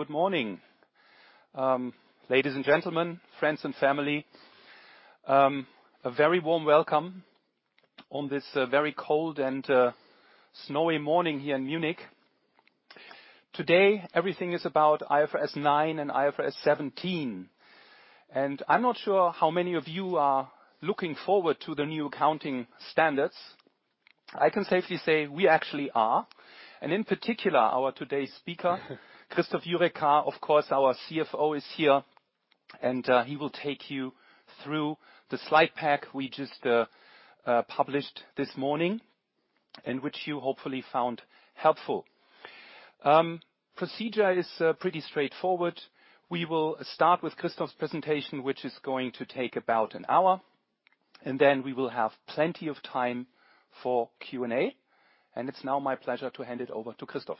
Good morning. Ladies and gentlemen, friends and family, a very warm welcome on this very cold and snowy morning here in Munich. Today, everything is about IFRS 9 and IFRS 17. I'm not sure how many of you are looking forward to the new accounting standards. I can safely say we actually are. In particular, our today's speaker, Christoph Jurecka, of course, our CFO is here, he will take you through the slide pack we just published this morning and which you hopefully found helpful. Procedure is pretty straightforward. We will start with Christoph's presentation, which is going to take about an hour, and then we will have plenty of time for Q&A. It's now my pleasure to hand it over to Christoph.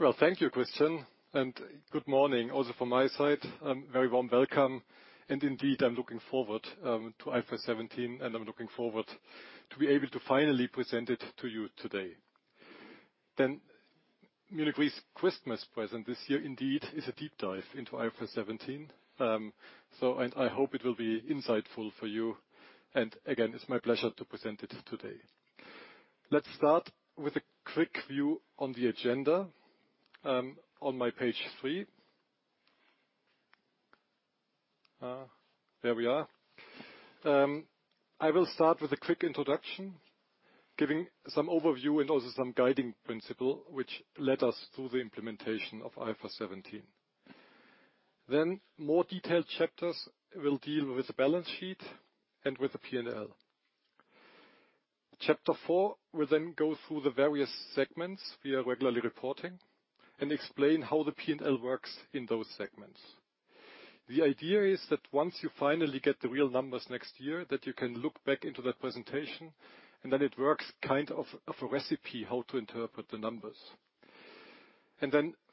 Well, thank you, Christian. Good morning also from my side. Very warm welcome. Indeed, I'm looking forward to IFRS 17, and I'm looking forward to be able to finally present it to you today. Munich Re's Christmas present this year indeed is a deep dive into IFRS 17. I hope it will be insightful for you. Again, it's my pleasure to present it today. Let's start with a quick view on the agenda on my page three. There we are. I will start with a quick introduction, giving some overview and also some guiding principle which led us through the implementation of IFRS 17. More detailed chapters will deal with the balance sheet and with the P&L. Chapter four will go through the various segments we are regularly reporting and explain how the P&L works in those segments. The idea is that once you finally get the real numbers next year, that you can look back into that presentation, it works kind of a recipe how to interpret the numbers.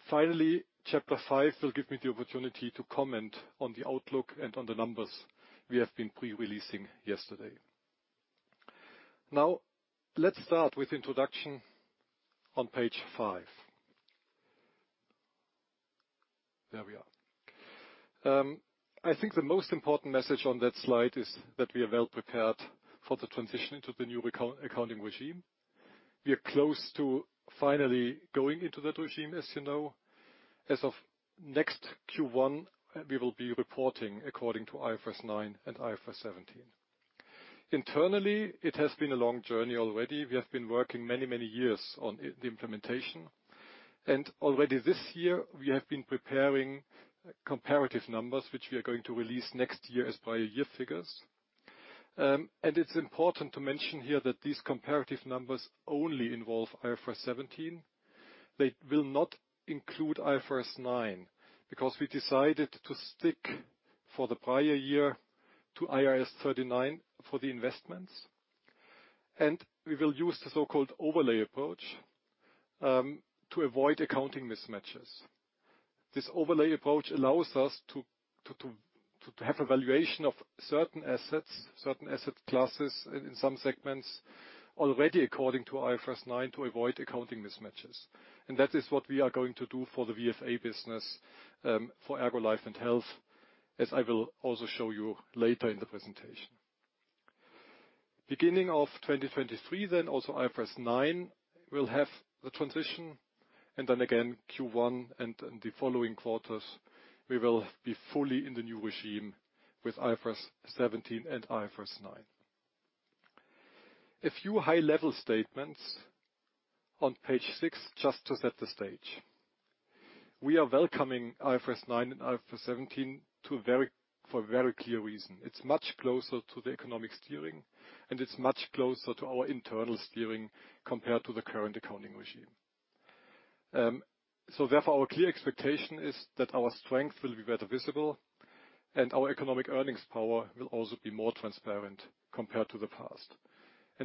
Finally, chapter five will give me the opportunity to comment on the outlook and on the numbers we have been pre-releasing yesterday. Let's start with introduction on page five. There we are. I think the most important message on that slide is that we are well prepared for the transition to the new accounting regime. We are close to finally going into that regime, as you know. As of next Q1, we will be reporting according to IFRS 9 and IFRS 17. Internally, it has been a long journey already. We have been working many years on the implementation. Already this year, we have been preparing comparative numbers, which we are going to release next year as prior year figures. It's important to mention here that these comparative numbers only involve IFRS 17. They will not include IFRS 9 because we decided to stick for the prior year to IAS 39 for the investments. We will use the so-called overlay approach to avoid accounting mismatches. This overlay approach allows us to have a valuation of certain assets, certain asset classes in some segments already according to IFRS 9 to avoid accounting mismatches. That is what we are going to do for the VFA business for ERGO, Life and Health, as I will also show you later in the presentation. Beginning of 2023 then, also IFRS 9 will have the transition. Again, Q1 and then the following quarters, we will be fully in the new regime with IFRS 17 and IFRS 9. A few high-level statements on page six, just to set the stage. We are welcoming IFRS 9 and IFRS 17 to a very, for a very clear reason. It's much closer to the economic steering, and it's much closer to our internal steering compared to the current accounting regime. Therefore, our clear expectation is that our strength will be better visible and our economic earnings power will also be more transparent compared to the past.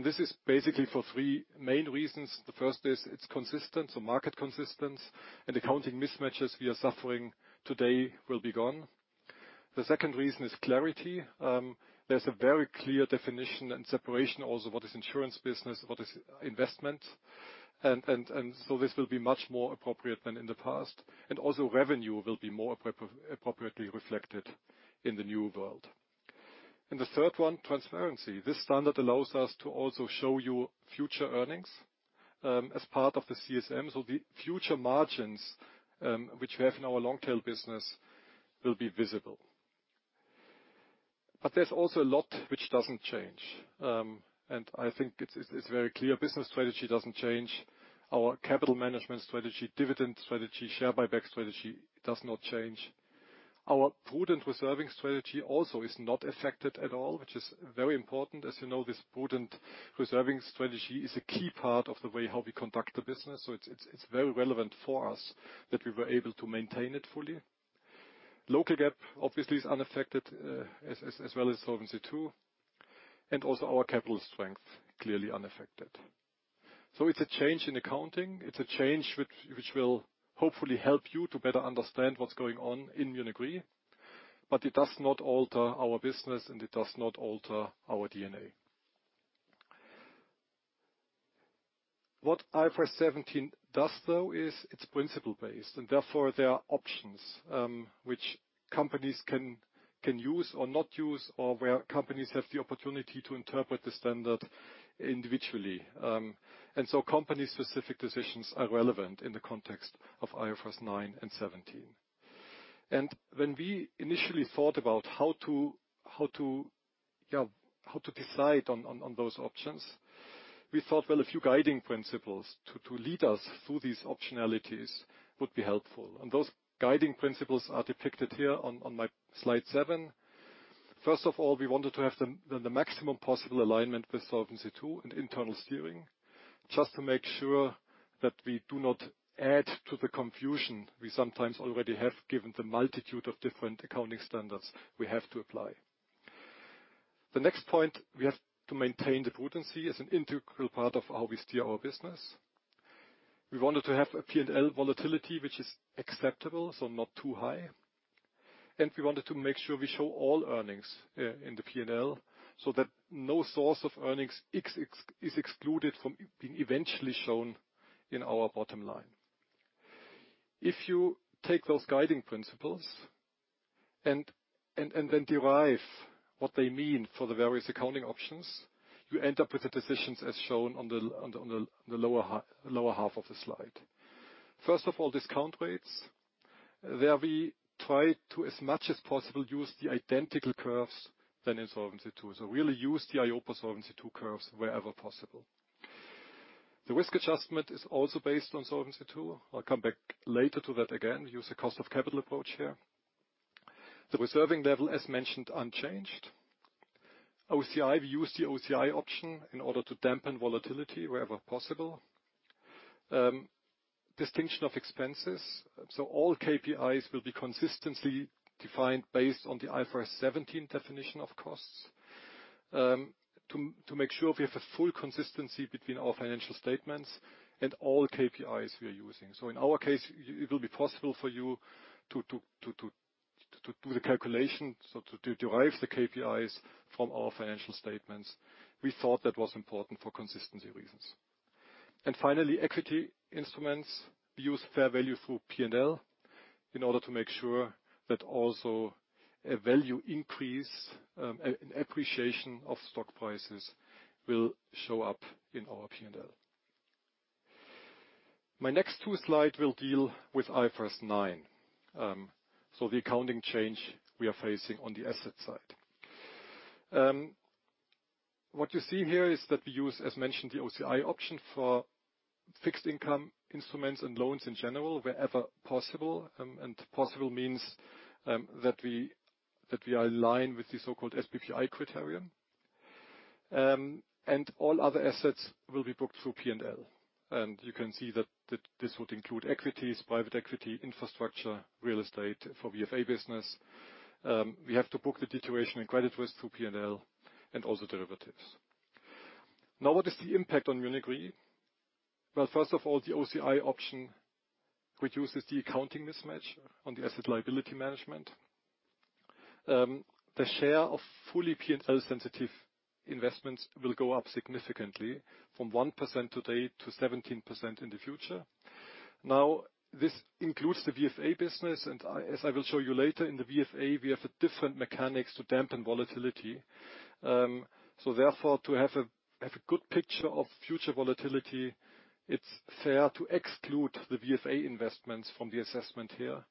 This is basically for three main reasons. The first is it's consistent, so market consistence and accounting mismatches we are suffering today will be gone. The second reason is clarity. There's a very clear definition and separation also, what is insurance business, what is investment. This will be much more appropriate than in the past. Also revenue will be more appropriately reflected in the new world. The third one, transparency. This standard allows us to also show you future earnings as part of the CSM. The future margins which we have in our long-tail business will be visible. There's also a lot which doesn't change. I think it's very clear. Business strategy doesn't change. Our capital management strategy, dividend strategy, share buyback strategy does not change. Our prudent reserving strategy also is not affected at all, which is very important. As you know, this prudent reserving strategy is a key part of the way how we conduct the business. it's very relevant for us that we were able to maintain it fully. Local GAAP, obviously, is unaffected, as well as Solvency II. Also our capital strength, clearly unaffected. It's a change in accounting. It's a change which will hopefully help you to better understand what's going on in Munich Re. It does not alter our business, and it does not alter our DNA. What IFRS 17 does though is it's principle based, and therefore there are options, which companies can use or not use, or where companies have the opportunity to interpret the standard individually. Company-specific decisions are relevant in the context of IFRS 9 and 17. When we initially thought about how to, you know, how to decide on those options, we thought, well, a few guiding principles to lead us through these optionalities would be helpful. Those guiding principles are depicted here on my slide seven. First of all, we wanted to have the maximum possible alignment with Solvency II and internal steering, just to make sure that we do not add to the confusion we sometimes already have, given the multitude of different accounting standards we have to apply. The next point, we have to maintain the prudency as an integral part of how we steer our business. We wanted to have a P&L volatility, which is acceptable, so not too high. We wanted to make sure we show all earnings in the P&L so that no source of earnings is excluded from being eventually shown in our bottom line. If you take those guiding principles and then derive what they mean for the various accounting options, you end up with the decisions as shown on the lower half of the slide. First of all, discount rates. There we try to, as much as possible, use the identical curves than in Solvency II. Really use the EIOPA for Solvency II curves wherever possible. The risk adjustment is also based on Solvency II. I'll come back later to that again, use the cost of capital approach here. The reserving level, as mentioned, unchanged. OCI, we use the OCI option in order to dampen volatility wherever possible. Distinction of expenses. All KPIs will be consistently defined based on the IFRS 17 definition, of course, to make sure we have a full consistency between our financial statements and all KPIs we are using. In our case, it will be possible for you to do the calculation, so to derive the KPIs from our financial statements. We thought that was important for consistency reasons. Finally, equity instruments. We use fair value through P&L in order to make sure that also a value increase, an appreciation of stock prices will show up in our P&L. My next two slide will deal with IFRS 9, so the accounting change we are facing on the asset side. What you see here is that we use, as mentioned, the OCI option for fixed income instruments and loans in general, wherever possible. Possible means that we are in line with the so-called SPPI criterion. All other assets will be booked through P&L. You can see that this would include equities, private equity, infrastructure, real estate for VFA business. We have to book the deterioration in credit risk through P&L and also derivatives. What is the impact on Munich Re? First of all, the OCI option reduces the accounting mismatch on the asset liability management. The share of fully P&L sensitive investments will go up significantly from 1% today to 17% in the future. This includes the VFA business, and I, as I will show you later, in the VFA, we have a different mechanics to dampen volatility. Therefore, to have a good picture of future volatility, it's fair to exclude the VFA investments from the assessment here.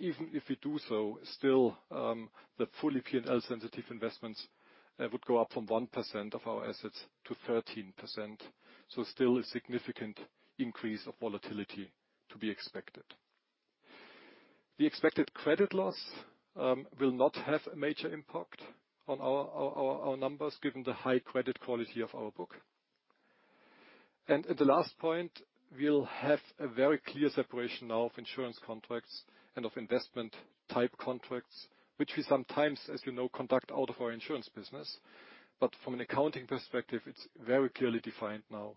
Even if we do so, still, the fully P&L sensitive investments would go up from 1% of our assets to 13%. Still a significant increase of volatility to be expected. The expected credit loss will not have a major impact on our numbers, given the high credit quality of our book. At the last point, we'll have a very clear separation now of insurance contracts and of investment type contracts, which we sometimes, as you know, conduct out of our insurance business. From an accounting perspective, it's very clearly defined now,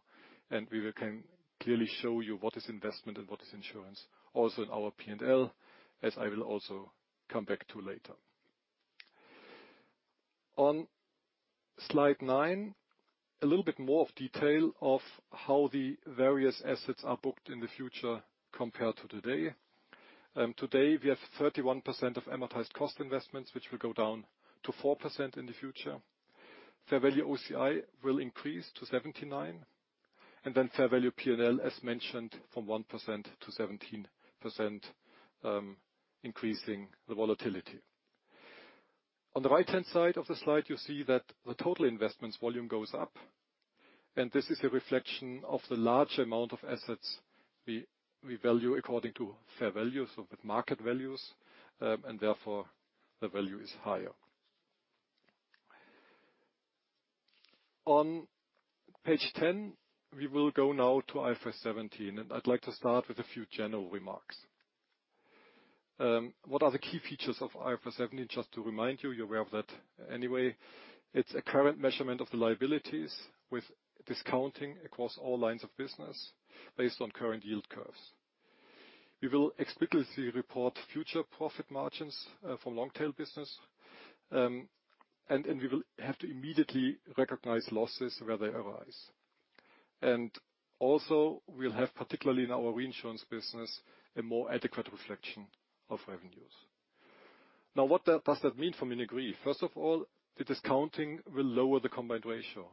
and we can clearly show you what is investment and what is insurance, also in our P&L, as I will also come back to later. On slide nine, a little bit more of detail of how the various assets are booked in the future compared to today. Today we have 31% of amortized cost investments, which will go down to 4% in the future. fair value OCI will increase to 79%, and then fair value P&L, as mentioned, from 1%-17%, increasing the volatility. On the right-hand side of the slide, you see that the total investments volume goes up, and this is a reflection of the large amount of assets we value according to fair value, so with market values, and therefore the value is higher. On page 10, we will go now to IFRS 17. I'd like to start with a few general remarks. What are the key features of IFRS 17? Just to remind you're aware of that anyway. It's a current measurement of the liabilities with discounting across all lines of business based on current yield curves. We will explicitly report future profit margins from long tail business. We will have to immediately recognize losses where they arise. Also we'll have, particularly in our reinsurance business, a more adequate reflection of revenues. What does that mean for Munich Re? First of all, the discounting will lower the combined ratio.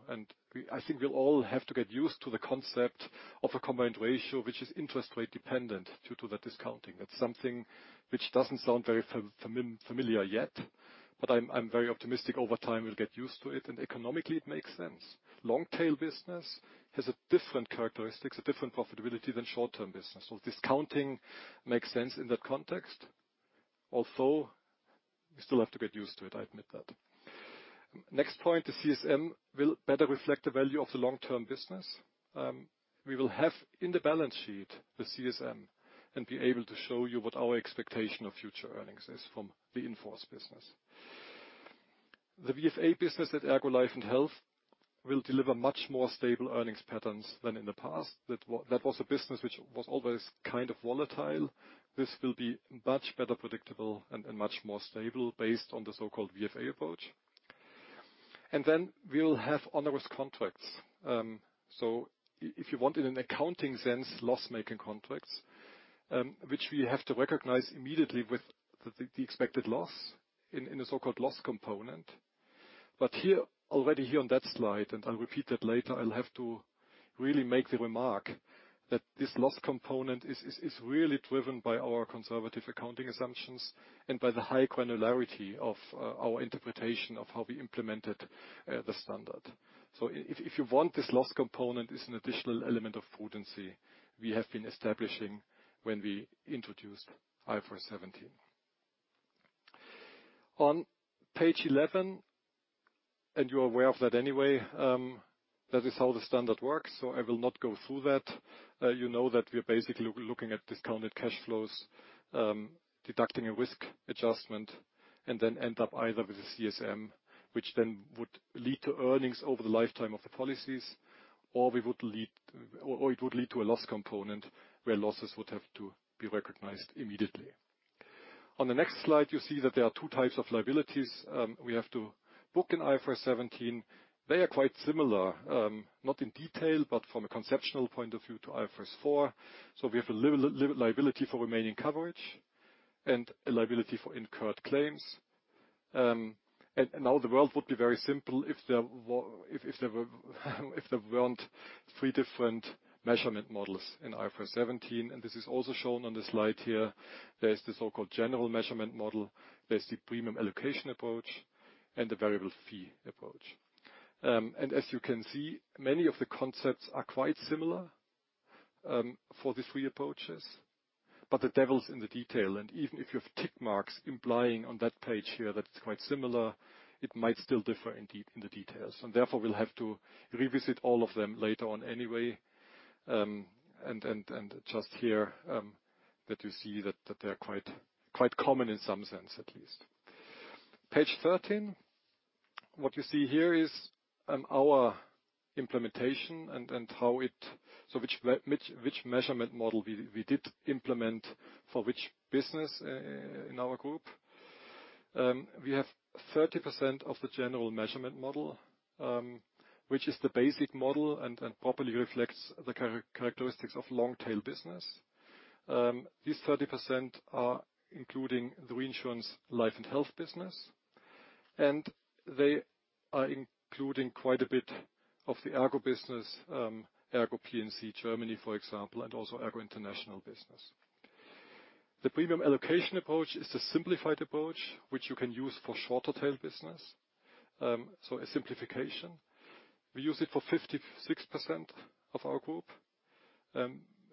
I think we'll all have to get used to the concept of a combined ratio, which is interest rate dependent due to the discounting. That's something which doesn't sound very familiar yet, but I'm very optimistic over time we'll get used to it. Economically it makes sense. Long tail business has a different characteristics, a different profitability than short-term business. Discounting makes sense in that context, although we still have to get used to it, I admit that. Next point, the CSM will better reflect the value of the long-term business. We will have in the balance sheet, the CSM, and be able to show you what our expectation of future earnings is from the in-force business. The VFA business at ERGO Life and Health will deliver much more stable earnings patterns than in the past. That was a business which was always kind of volatile. This will be much better predictable and much more stable based on the so-called VFA approach. Then we will have onerous contracts. If you want, in an accounting sense, loss-making contracts, which we have to recognize immediately with the expected loss in a so-called loss component. Here, already here on that slide, and I'll repeat that later, I'll have to really make the remark that this loss component is really driven by our conservative accounting assumptions and by the high granularity of our interpretation of how we implemented the standard. If you want, this loss component is an additional element of prudency we have been establishing when we introduced IFRS 17. On page 11, you are aware of that anyway, that is how the standard works. I will not go through that. You know that we are basically looking at discounted cash flows, deducting a risk adjustment, and then end up either with a CSM, which then would lead to earnings over the lifetime of the policies, or we would lead, or it would lead to a loss component, where losses would have to be recognized immediately. On the next slide, you see that there are two types of liabilities we have to book in IFRS 17. They are quite similar, not in detail, but from a conceptional point of view to IFRS 4. We have a liability for remaining coverage and a liability for incurred claims. Now the world would be very simple if there weren't three different measurement models in IFRS 17, and this is also shown on the slide here. There is the so-called General Measurement Model. There's the Premium Allocation Approach and the Variable Fee Approach. As you can see, many of the concepts are quite similar for the three approaches, but the devil's in the detail. Even if you have tick marks implying on that page here that it's quite similar, it might still differ in the details. Therefore, we'll have to revisit all of them later on anyway. Just here that you see that they are quite common in some sense, at least. Page 13, what you see here is our implementation, which measurement model we did implement for which business in our group. We have 30% of the General Measurement Model, which is the basic model and properly reflects the characteristics of long-tail business. These 30% are including the reinsurance Life and Health business, and they are including quite a bit of the ERGO business, ERGO P&C Germany, for example, and also ERGO international business. The Premium Allocation Approach is the simplified approach, which you can use for shorter-tail business. A simplification. We use it for 56% of our group.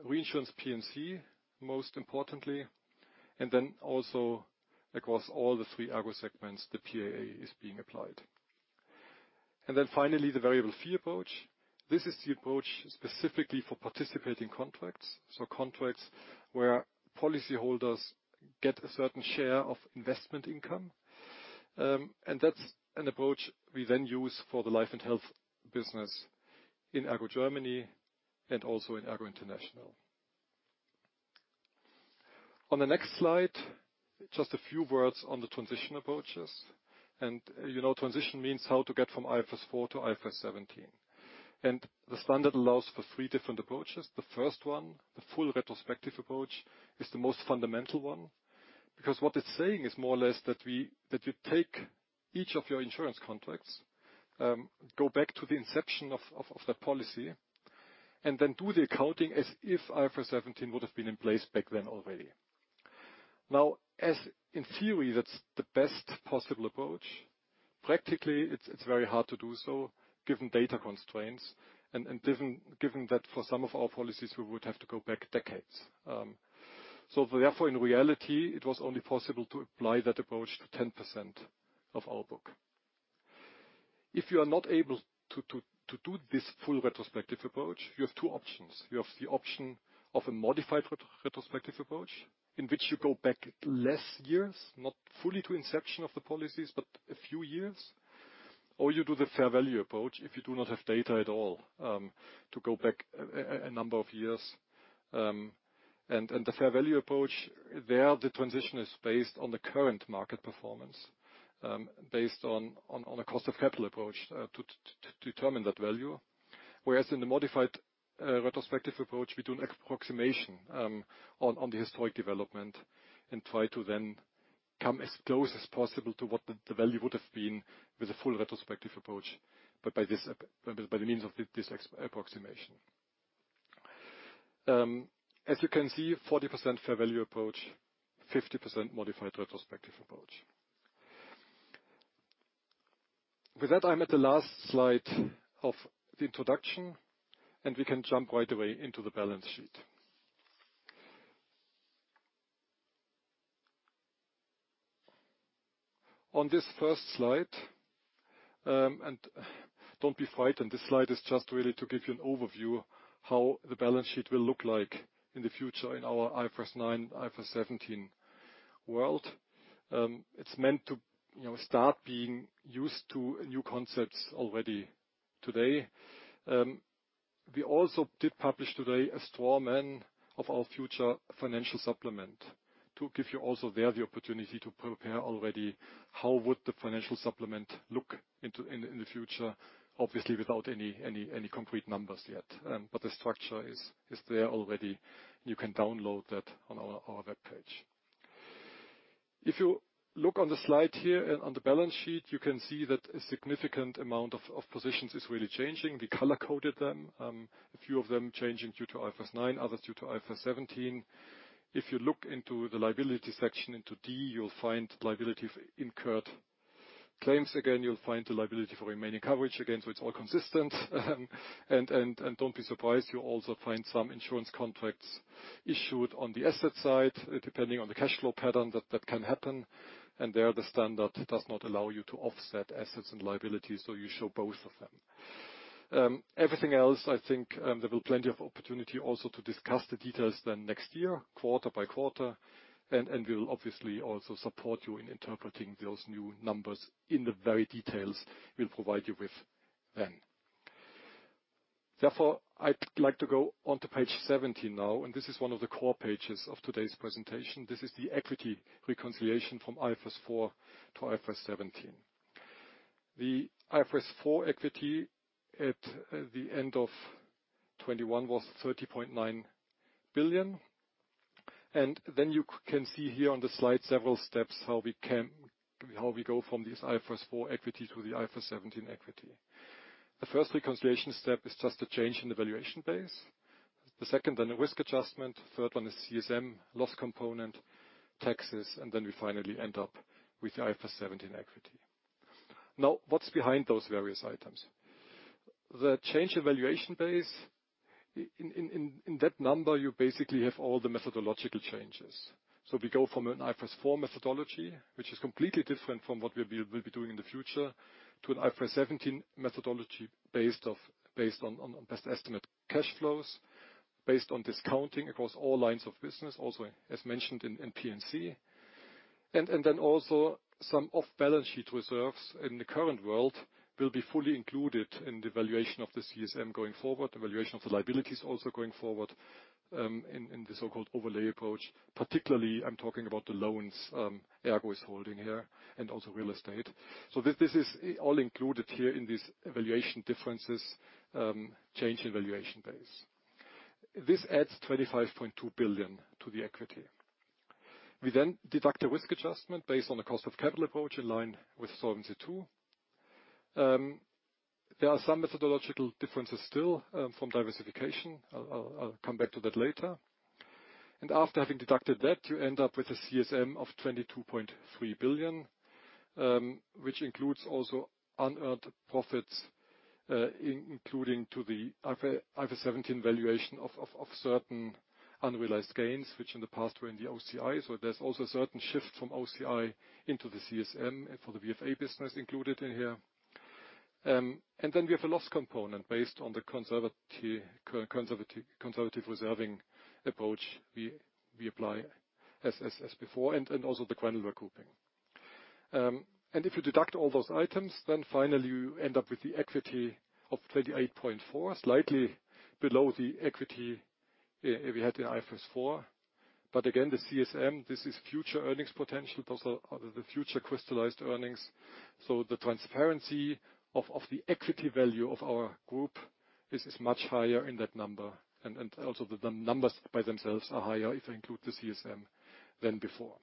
Reinsurance P&C, most importantly. Also across all the three ERGO segments, the PAA is being applied. Finally, the Variable Fee Approach. This is the approach specifically for participating contracts. Contracts where policyholders get a certain share of investment income. That's an approach we then use for the life and health business in ERGO Germany and also in ERGO International. On the next slide, just a few words on the transition approaches. You know, transition means how to get from IFRS 4 to IFRS 17. The standard allows for three different approaches. The first one, the full retrospective approach, is the most fundamental one, because what it's saying is more or less that you take each of your insurance contracts, go back to the inception of that policy, and then do the accounting as if IFRS 17 would have been in place back then already. As in theory, that's the best possible approach. Practically, it's very hard to do so given data constraints and given that for some of our policies, we would have to go back decades. Therefore, in reality, it was only possible to apply that approach to 10% of our book. If you are not able to do this full retrospective approach, you have two options. You have the option of a modified retrospective approach, in which you go back less years, not fully to inception of the policies, but a few years. Or you do the fair value approach if you do not have data at all to go back a number of years. The fair value approach, there, the transition is based on the current market performance, based on a cost of capital approach to determine that value. In the modified retrospective approach, we do an approximation on the historic development and try to then come as close as possible to what the value would have been with a full retrospective approach, but by the means of this approximation. As you can see, 40% fair value approach, 50% modified retrospective approach. With that, I'm at the last slide of the introduction. We can jump right away into the balance sheet. On this first slide, don't be frightened. This slide is just really to give you an overview how the balance sheet will look like in the future in our IFRS 9, IFRS 17 world. It's meant to, you know, start being used to new concepts already today. We also did publish today a straw man of our future financial supplement to give you also there the opportunity to prepare already how would the financial supplement look into the future, obviously, without any complete numbers yet. The structure is there already. You can download that on our webpage. If you look on the slide here and on the balance sheet, you can see that a significant amount of positions is really changing. We color-coded them. A few of them changing due to IFRS 9, others due to IFRS 17. If you look into the liability section, into D, you'll find liability for incurred claims again, you'll find the liability for remaining coverage again. It's all consistent. Don't be surprised, you'll also find some insurance contracts issued on the asset side. Depending on the cash flow pattern, that can happen. There, the standard does not allow you to offset assets and liabilities, so you show both of them. Everything else, I think, there will be plenty of opportunity also to discuss the details then next year, quarter by quarter. We'll obviously also support you in interpreting those new numbers in the very details we'll provide you with then. Therefore, I'd like to go onto page 17 now, and this is one of the core pages of today's presentation. This is the equity reconciliation from IFRS 4 to IFRS 17. The IFRS 4 equity at the end of 2021 was 30.9 billion. Then you can see here on the slide several steps, how we go from this IFRS 4 equity to the IFRS 17 equity. The first reconciliation step is just a change in the valuation base. The second, then a risk adjustment. Third one is CSM loss component, taxes, then we finally end up with the IFRS 17 equity. What's behind those various items? The change in valuation base, in that number, you basically have all the methodological changes. We go from an IFRS 4 methodology, which is completely different from what we'll be doing in the future, to an IFRS 17 methodology based on best estimate cash flows, based on discounting across all lines of business, also as mentioned in P&C. Then also some off-balance sheet reserves in the current world will be fully included in the valuation of the CSM going forward, the valuation of the liabilities also going forward, in the so-called overlay approach. Particularly, I'm talking about the loans ERGO is holding here and also real estate. This, this is all included here in these valuation differences, change in valuation base. This adds 25.2 billion to the equity. We then deduct a risk adjustment based on the cost of capital approach in line with Solvency II. There are some methodological differences still from diversification. I'll come back to that later. After having deducted that, you end up with a CSM of 22.3 billion, which includes also unearned profits, including to the IFRS 17 valuation of certain unrealized gains, which in the past were in the OCI. There's also a certain shift from OCI into the CSM for the VFA business included in here. Then we have a loss component based on the conservative reserving approach we apply as before, and also the granular grouping. If you deduct all those items, then finally you end up with the equity of 38.4, slightly below the equity if we had the IFRS 4. Again, the CSM, this is future earnings potential, those are the future crystallized earnings. The transparency of the equity value of our group is much higher in that number. Also the numbers by themselves are higher if you include the CSM than before.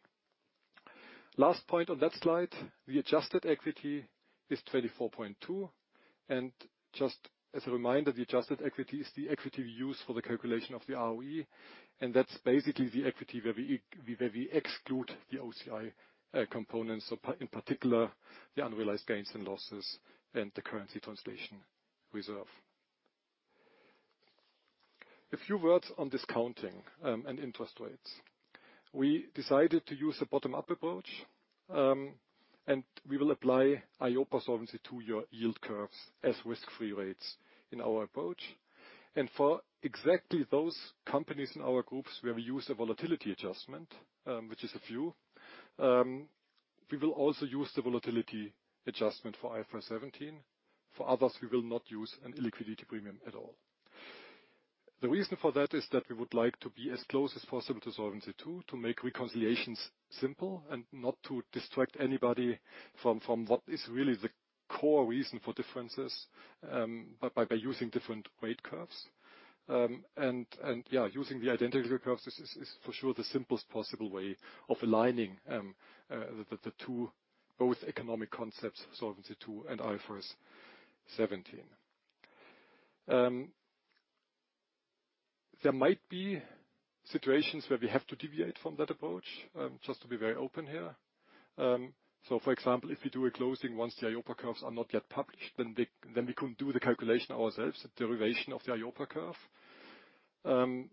Last point on that slide, the adjusted equity is 24.2. Just as a reminder, the adjusted equity is the equity we use for the calculation of the RoE, and that's basically the equity where we exclude the OCI components, so in particular, the unrealized gains and losses and the currency translation reserve. A few words on discounting and interest rates. We decided to use a bottom-up approach, and we will apply EIOPA Solvency II yield curves as risk-free rates in our approach. For exactly those companies in our groups where we use a volatility adjustment, which is a few, we will also use the volatility adjustment for IFRS 17. For others, we will not use an illiquidity premium at all. The reason for that is that we would like to be as close as possible to Solvency II, to make reconciliations simple and not to distract anybody from what is really the core reason for differences, by using different weight curves. Yeah, using the identical curves is for sure the simplest possible way of aligning the two, both economic concepts, Solvency II and IFRS 17. There might be situations where we hav to deviate from that approach, just to be very open here. For example, if we do a closing once the EIOPA curves are not yet published, then we can do the calculation ourselves, the derivation of the EIOPA curve.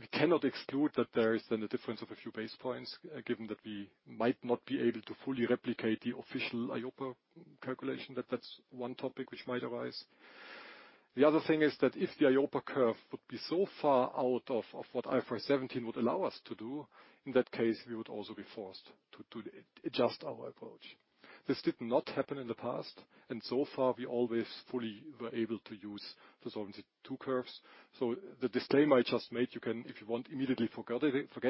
We cannot exclude that there is then a difference of a few basis points, given that we might not be able to fully replicate the official EIOPA calculation. That's one topic which might arise. The other thing is that if the EIOPA curve would be so far out of what IFRS 17 would allow us to do, in that case, we would also be forced to adjust our approach. This did not happen in the past, and so far, we always fully were able to use the Solvency II curves. The disclaimer I just made, you can, if you want, immediately forget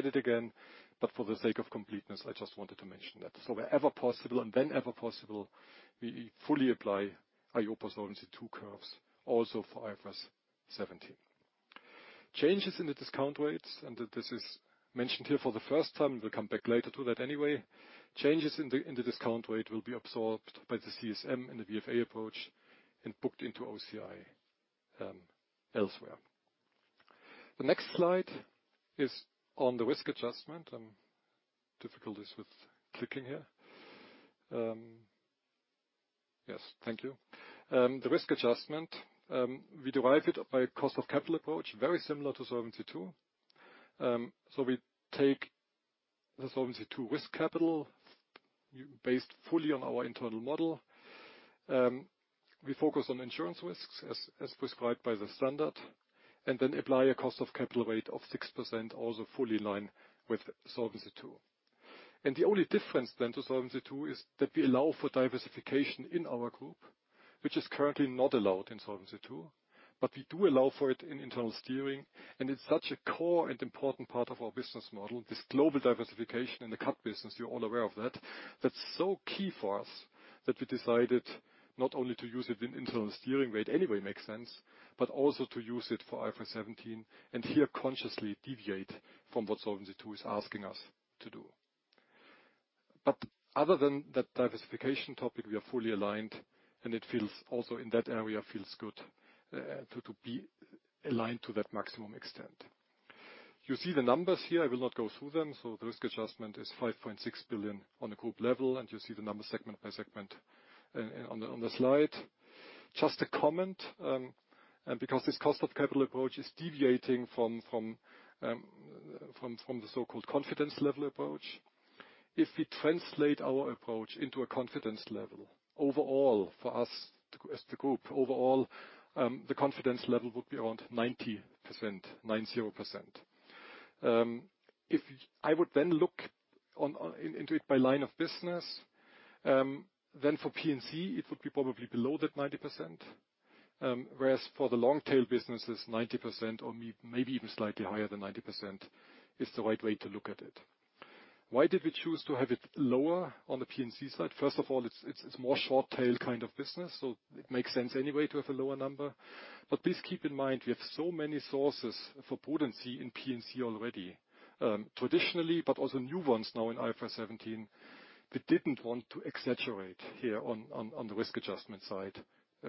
it again, but for the sake of completeness, I just wanted to mention that. Wherever possible and whenever possible, we fully apply EIOPA Solvency II curves also for IFRS 17. Changes in the discount rates, this is mentioned here for the first time, we'll come back later to that anyway. Changes in the discount rate will be absorbed by the CSM in the VFA approach and booked into OCI elsewhere. The next slide is on the risk adjustment. Difficulties with clicking here. Yes, thank you. The risk adjustment, we derive it by cost of capital approach, very similar to Solvency II. We take the Solvency II risk capital based fully on our internal model. We focus on insurance risks as prescribed by the standard, then apply a cost of capital rate of 6%, also fully in line with Solvency II. The only difference then to Solvency II is that we allow for diversification in our group, which is currently not allowed in Solvency II, but we do allow for it in internal steering. It's such a core and important part of our business model, this global diversification in the cat business, you're all aware of that. That's so key for us that we decided not only to use it in internal steering rate, anyway, makes sense, but also to use it for IFRS 17, and here, consciously deviate from what Solvency II is asking us to do. Other than that diversification topic, we are fully aligned, and it feels also in that area, feels good to be aligned to that maximum extent. You see the numbers here, I will not go through them. The risk adjustment is 5.6 billion on a group level, and you see the number segment by segment on the slide. Just a comment, because this cost of capital approach is deviating from the so-called confidence level approach. If we translate our approach into a confidence level, overall for us as the group, the confidence level would be around 90%. If I would look into it by line of business, for P&C, it would be probably below that 90%. Whereas for the long-tail businesses, 90% or maybe even slightly higher than 90% is the right way to look at it. Why did we choose to have it lower on the P&C side? First of all, it's more short tail kind of business. It makes sense anyway to have a lower number. Please keep in mind, we have so many sources for prudency in P&C already, traditionally, but also new ones now in IFRS 17. We didn't want to exaggerate here on the risk adjustment side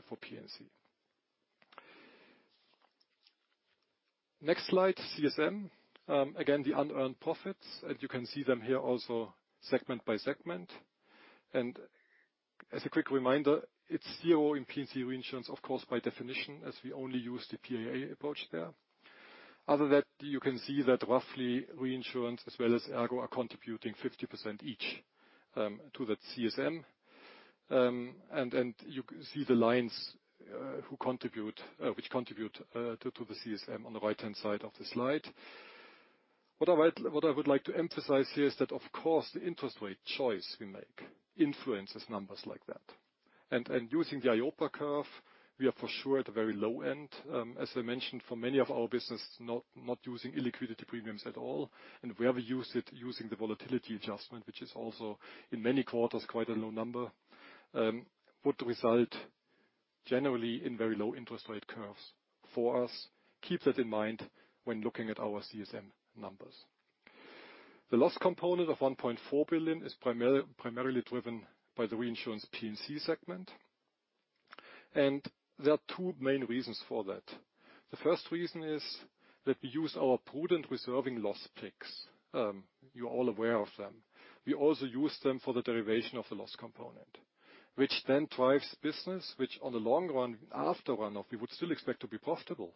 for P&C. Next slide, CSM. Again, the unearned profits. You can see them here also segment by segment. As a quick reminder, it's zero in P&C reinsurance, of course, by definition, as we only use the PAA approach there. Other than that, you can see that roughly reinsurance as well as ERGO are contributing 50% each to that CSM. You see the lines who contribute, which contribute to the CSM on the right-hand side of the slide. What I would like to emphasize here is that, of course, the interest rate choice we make influences numbers like that. Using the EIOPA curve, we are for sure at the very low end. As I mentioned, for many of our business, not using illiquidity premiums at all. We have used it using the volatility adjustment, which is also in many quarters, quite a low number, would result generally in very low interest rate curves for us. Keep that in mind when looking at our CSM numbers. The last component of 1.4 billion is primarily driven by the reinsurance P&C segment. There are two main reasons for that. The first reason is that we use our prudent reserving loss picks. You're all aware of them. We also use them for the derivation of the loss component, which then drives business, which on the long run, after run off, we would still expect to be profitable.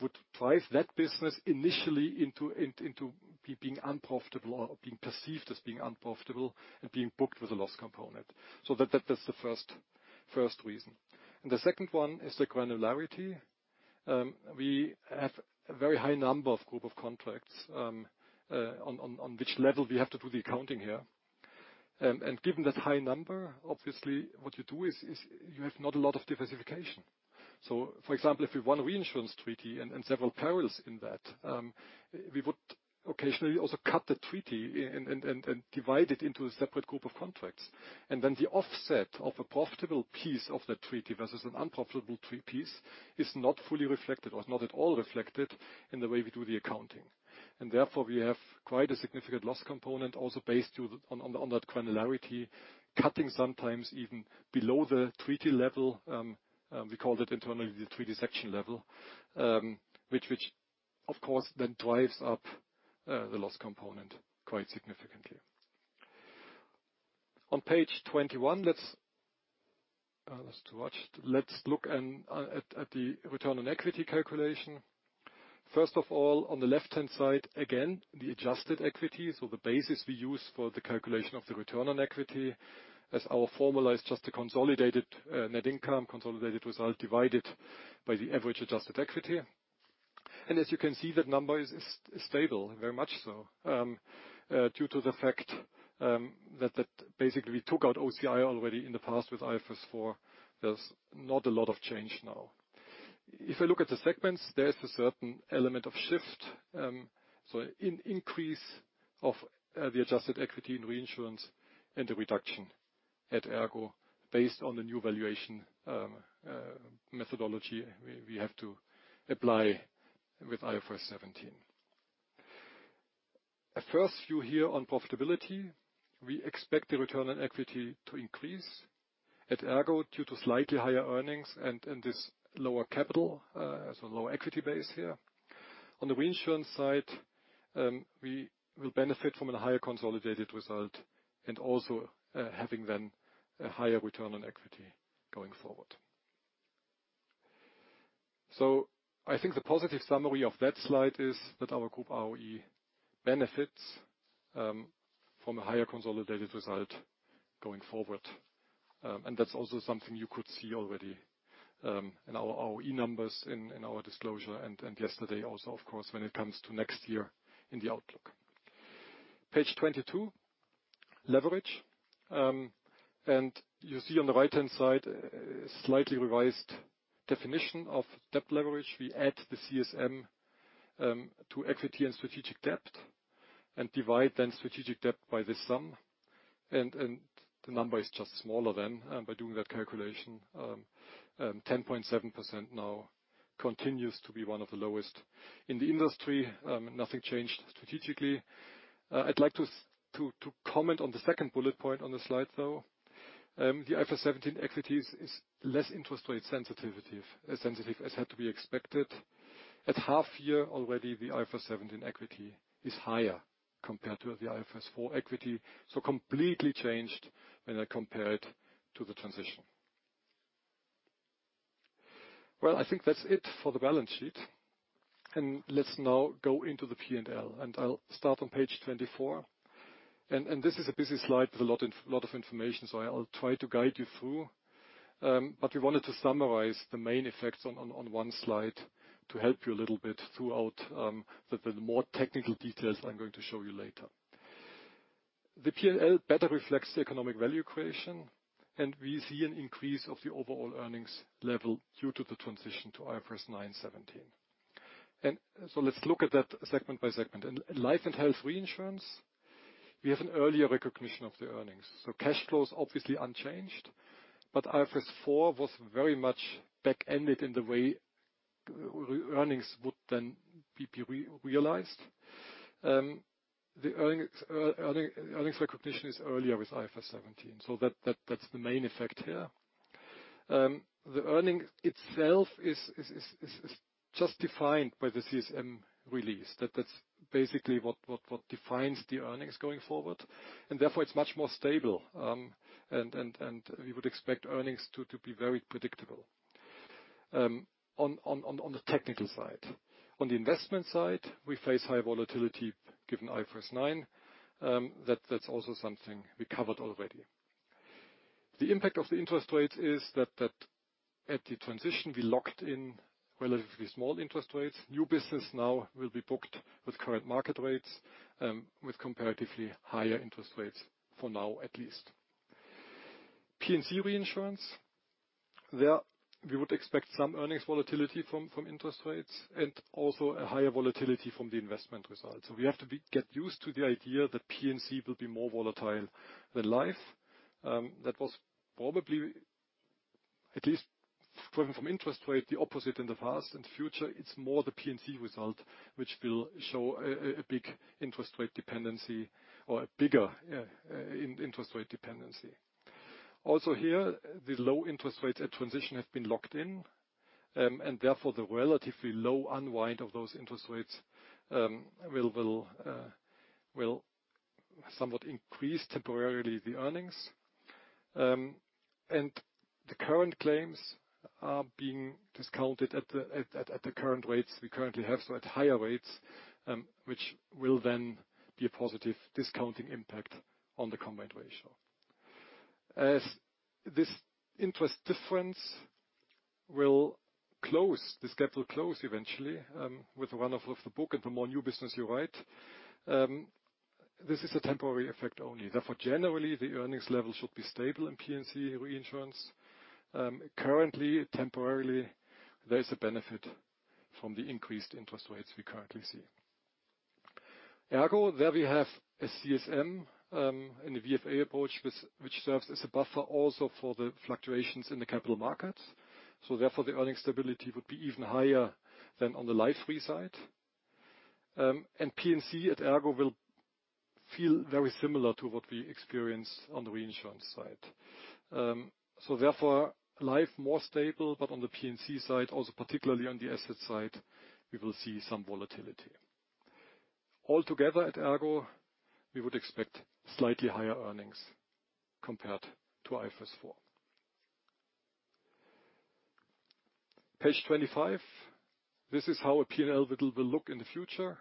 Would drive that business initially into being unprofitable or being perceived as being unprofitable and being booked with a loss component. That's the first reason. The second one is the granularity. We have a very high number of group of contracts on which level we have to do the accounting here. Given that high number, obviously what you do is you have not a lot of diversification. For example, if we have one reinsurance treaty and several perils in that, we would occasionally also cut the treaty and divide it into a separate group of contracts. The offset of a profitable piece of that treaty versus an unprofitable treat piece is not fully reflected, or it's not at all reflected in the way we do the accounting. Therefore, we have quite a significant loss component also based due on that granularity, cutting sometimes even below the treaty level. We call that internally the treaty section level. Which of course, then drives up the loss component quite significantly. On page 21, let's. That's too much. Let's look and at the return on equity calculation. First of all, on the left-hand side, again, the adjusted equity. The basis we use for the calculation of the return on equity as our formula is just the consolidated net income, consolidated result divided by the average adjusted equity. As you can see, that number is stable, very much so, due to the fact that basically we took out OCI already in the past with IFRS 4. There's not a lot of change now. If I look at the segments, there is a certain element of shift. increase of the adjusted equity in reinsurance and the reduction at ERGO based on the new valuation methodology we have to apply with IFRS 17. A first view here on profitability. We expect the return on equity to increase at ERGO due to slightly higher earnings and this lower capital, so lower equity base here. On the reinsurance side, we will benefit from a higher consolidated result and also having then a higher return on equity going forward. I think the positive summary of that slide is that our group RoE benefits from a higher consolidated result going forward. That's also something you could see already in our RoE numbers in our disclosure and yesterday also of course, when it comes to next year in the outlook. Page 22, leverage. You see on the right-hand side a slightly revised definition of debt leverage. We add the CSM to equity and strategic debt and divide then strategic debt by this sum. The number is just smaller then by doing that calculation. 10.7% now continues to be one of the lowest in the industry. Nothing changed strategically. I'd like to comment on the second bullet point on the slide, though. The IFRS 17 equities is less interest rate sensitivity, as sensitive as had to be expected. At half year already, the IFRS 17 equity is higher compared to the IFRS 4 equity. Completely changed when I compare it to the transition. Well, I think that's it for the balance sheet. Let's now go into the P&L. I'll start on page 24. This is a busy slide with a lot of information, so I'll try to guide you through. We wanted to summarize the main effects on one slide to help you a little bit throughout the more technical details I'm going to show you later. The P&L better reflects the economic value creation, and we see an increase of the overall earnings level due to the transition to IFRS 9 17. Let's look at that segment by segment. In Life and Health Reinsurance, we have an earlier recognition of the earnings. Cash flow is obviously unchanged, but IFRS 4 was very much back-ended in the way earnings would then be realized. The earnings recognition is earlier with IFRS 17. That's the main effect here. The earning itself is just defined by the CSM release. That's basically what defines the earnings going forward. Therefore it's much more stable, and we would expect earnings to be very predictable on the technical side. On the investment side, we face high volatility given IFRS 9. That's also something we covered already. The impact of the interest rates is that at the transition, we locked in relatively small interest rates. New business now will be booked with current market rates, with comparatively higher interest rates for now at least. P&C Reinsurance, there we would expect some earnings volatility from interest rates and also a higher volatility from the investment results. We have to get used to the idea that P&C will be more volatile than Life. That was probably at least driven from interest rate, the opposite in the past and future. It's more the P&C result which will show a big interest rate dependency or a bigger interest rate dependency. Here, the low interest rates at transition have been locked in, and therefore the relatively low unwind of those interest rates will somewhat increase temporarily the earnings. The current claims are being discounted at the current rates we currently have, so at higher rates, which will then be a positive discounting impact on the combined ratio. As this interest difference will close, this gap will close eventually, with the run-off of the book and the more new business you write, this is a temporary effect only. Generally, the earnings level should be stable in P&C Reinsurance. Currently, temporarily, there is a benefit from the increased interest rates we currently see. ERGO, there we have a CSM and a VFA approach which serves as a buffer also for the fluctuations in the capital markets. Therefore, the earning stability would be even higher than on the Life Re side. P&C at ERGO will feel very similar to what we experience on the reinsurance side. Therefore, life more stable, but on the P&C side, also particularly on the asset side, we will see some volatility. Altogether at ERGO, we would expect slightly higher earnings compared to IFRS 4. Page 25. This is how a P&L will look in the future.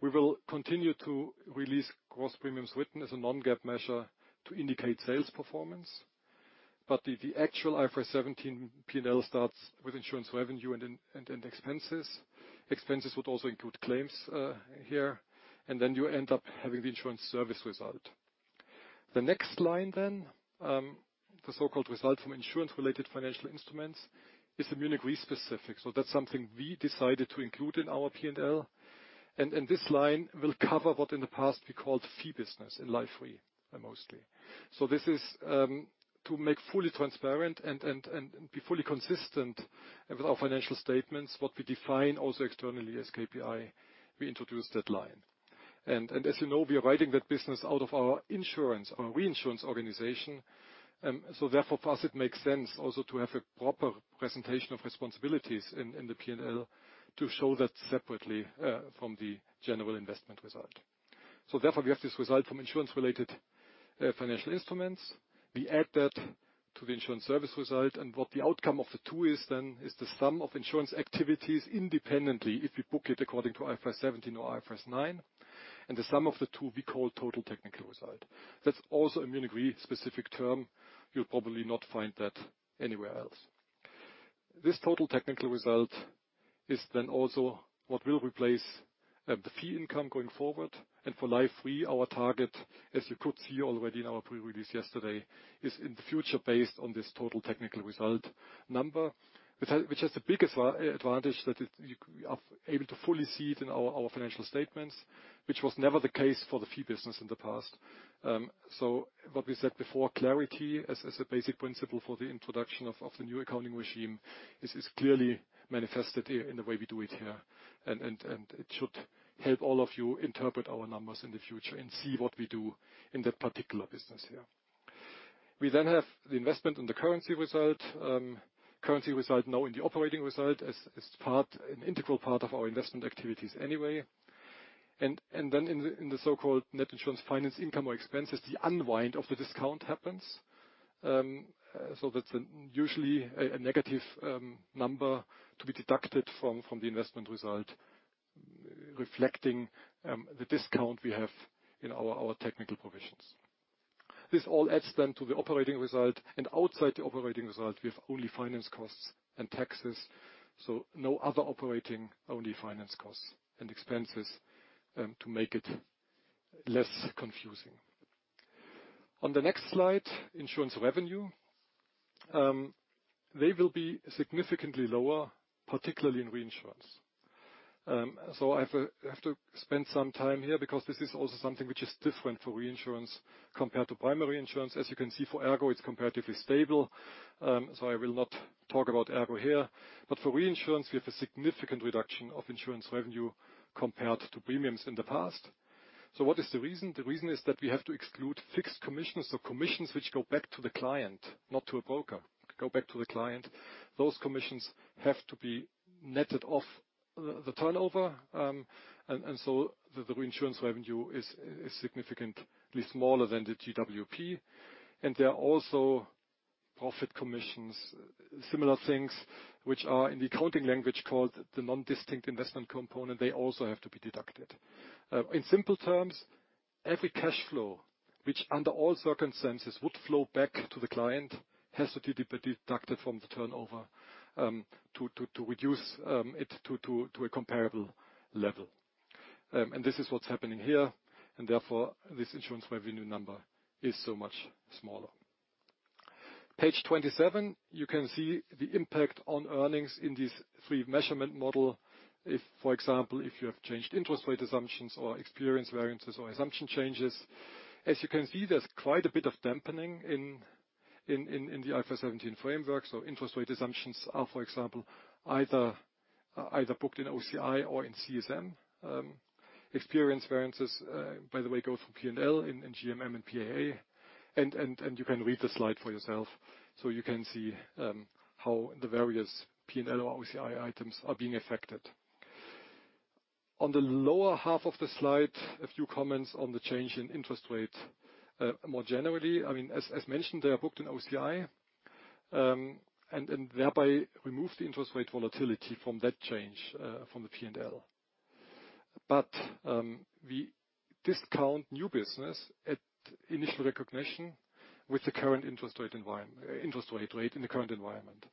We will continue to release gross premiums written as a non-GAAP measure to indicate sales performance. The actual IFRS 17 P&L starts with insurance revenue and then expenses. Expenses would also include claims here, and then you end up having the insurance service result. The next line then, the so-called result from insurance-related financial instruments, is the Munich Re specific. That's something we decided to include in our P&L. This line will cover what in the past we called fee business in Life Re, mostly. This is to make fully transparent and be fully consistent with our financial statements, what we define also externally as KPI, we introduced that line. As you know, we are writing that business out of our insurance, our reinsurance organization. Therefore for us, it makes sense also to have a proper presentation of responsibilities in the P&L to show that separately from the general investment result. Therefore, we have this result from insurance-related financial instruments. We add that to the insurance service result. What the outcome of the two is then, is the sum of insurance activities independently, if we book it according to IFRS 17 or IFRS 9. The sum of the two we call total technical result. That's also a Munich Re specific term. You'll probably not find that anywhere else. This total technical result is then also what will replace the fee income going forward. For Life Re, our target, as you could see already in our pre-release yesterday, is in the future based on this total technical result number. Which has the biggest advantage that we are able to fully see it in our financial statements, which was never the case for the fee business in the past. What we said before, clarity as a basic principle for the introduction of the new accounting regime, is clearly manifested here in the way we do it here. It should help all of you interpret our numbers in the future and see what we do in that particular business here. We have the investment in the currency result. Currency result now in the operating result as part, an integral part of our investment activities anyway. In the so-called net insurance finance income or expenses, the unwind of the discount happens. That's usually a negative number to be deducted from the investment result, reflecting the discount we have in our technical provisions. This all adds then to the operating result, and outside the operating result, we have only finance costs and taxes. No other operating, only finance costs and expenses to make it less confusing. On the next slide, insurance revenue. They will be significantly lower, particularly in reinsurance. I have to spend some time here because this is also something which is different for reinsurance compared to primary insurance. As you can see, for ERGO, it's comparatively stable. I will not talk about ERGO here. For reinsurance, we have a significant reduction of insurance revenue compared to premiums in the past. What is the reason? The reason is that we have to exclude fixed commissions or commissions which go back to the client, not to a broker. Go back to the client. Those commissions have to be netted off the turnover. The reinsurance revenue is significantly smaller than the GWP. There are also profit commissions, similar things which are in the accounting language called the non-distinct investment component. They also have to be deducted. In simple terms, every cash flow, which under all circumstances would flow back to the client, has to be deducted from the turnover, to reduce it to a comparable level. This is what's happening here, and therefore, this insurance revenue number is so much smaller. Page 27, you can see the impact on earnings in this free measurement model. If, for example, if you have changed interest rate assumptions or experience variances or assumption changes. As you can see, there's quite a bit of dampening in the IFRS 17 framework, so interest rate assumptions are, for example, either booked in OCI or in CSM. Experience variances, by the way, go through P&L in GMM and PAA. You can read the slide for yourself, so you can see how the various P&L or OCI items are being affected. On the lower half of the slide, a few comments on the change in interest rates, more generally. I mean, as mentioned, they are booked in OCI, and thereby remove the interest rate volatility from that change from the P&L. We discount new business at initial recognition with the current interest rate environment, interest rate in the current environment.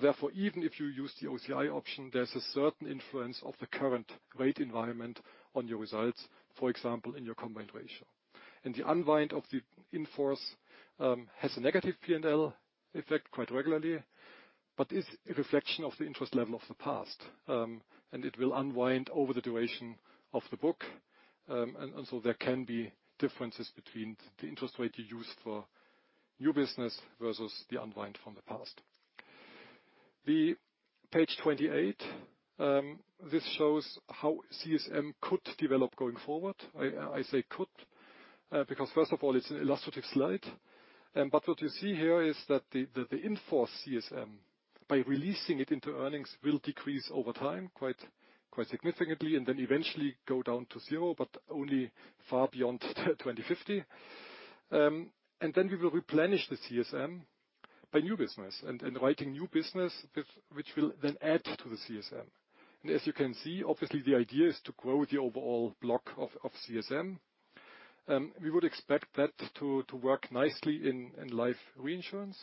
Therefore, even if you use the OCI option, there's a certain influence of the current rate environment on your results, for example, in your combined ratio. The unwind of the in-force has a negative P&L effect quite regularly, but is a reflection of the interest level of the past, and it will unwind over the duration of the book. So there can be differences between the interest rate you use for new business versus the unwind from the past. The page 28, this shows how CSM could develop going forward. I say could, because first of all, it's an illustrative slide. What you see here is that the in-force CSM, by releasing it into earnings, will decrease over time quite significantly, and then eventually go down to zero, but only far beyond 2050. Then we will replenish the CSM by new business and writing new business which will then add to the CSM. As you can see, obviously, the idea is to grow the overall block of CSM. We would expect that to work nicely in Life Reinsurance.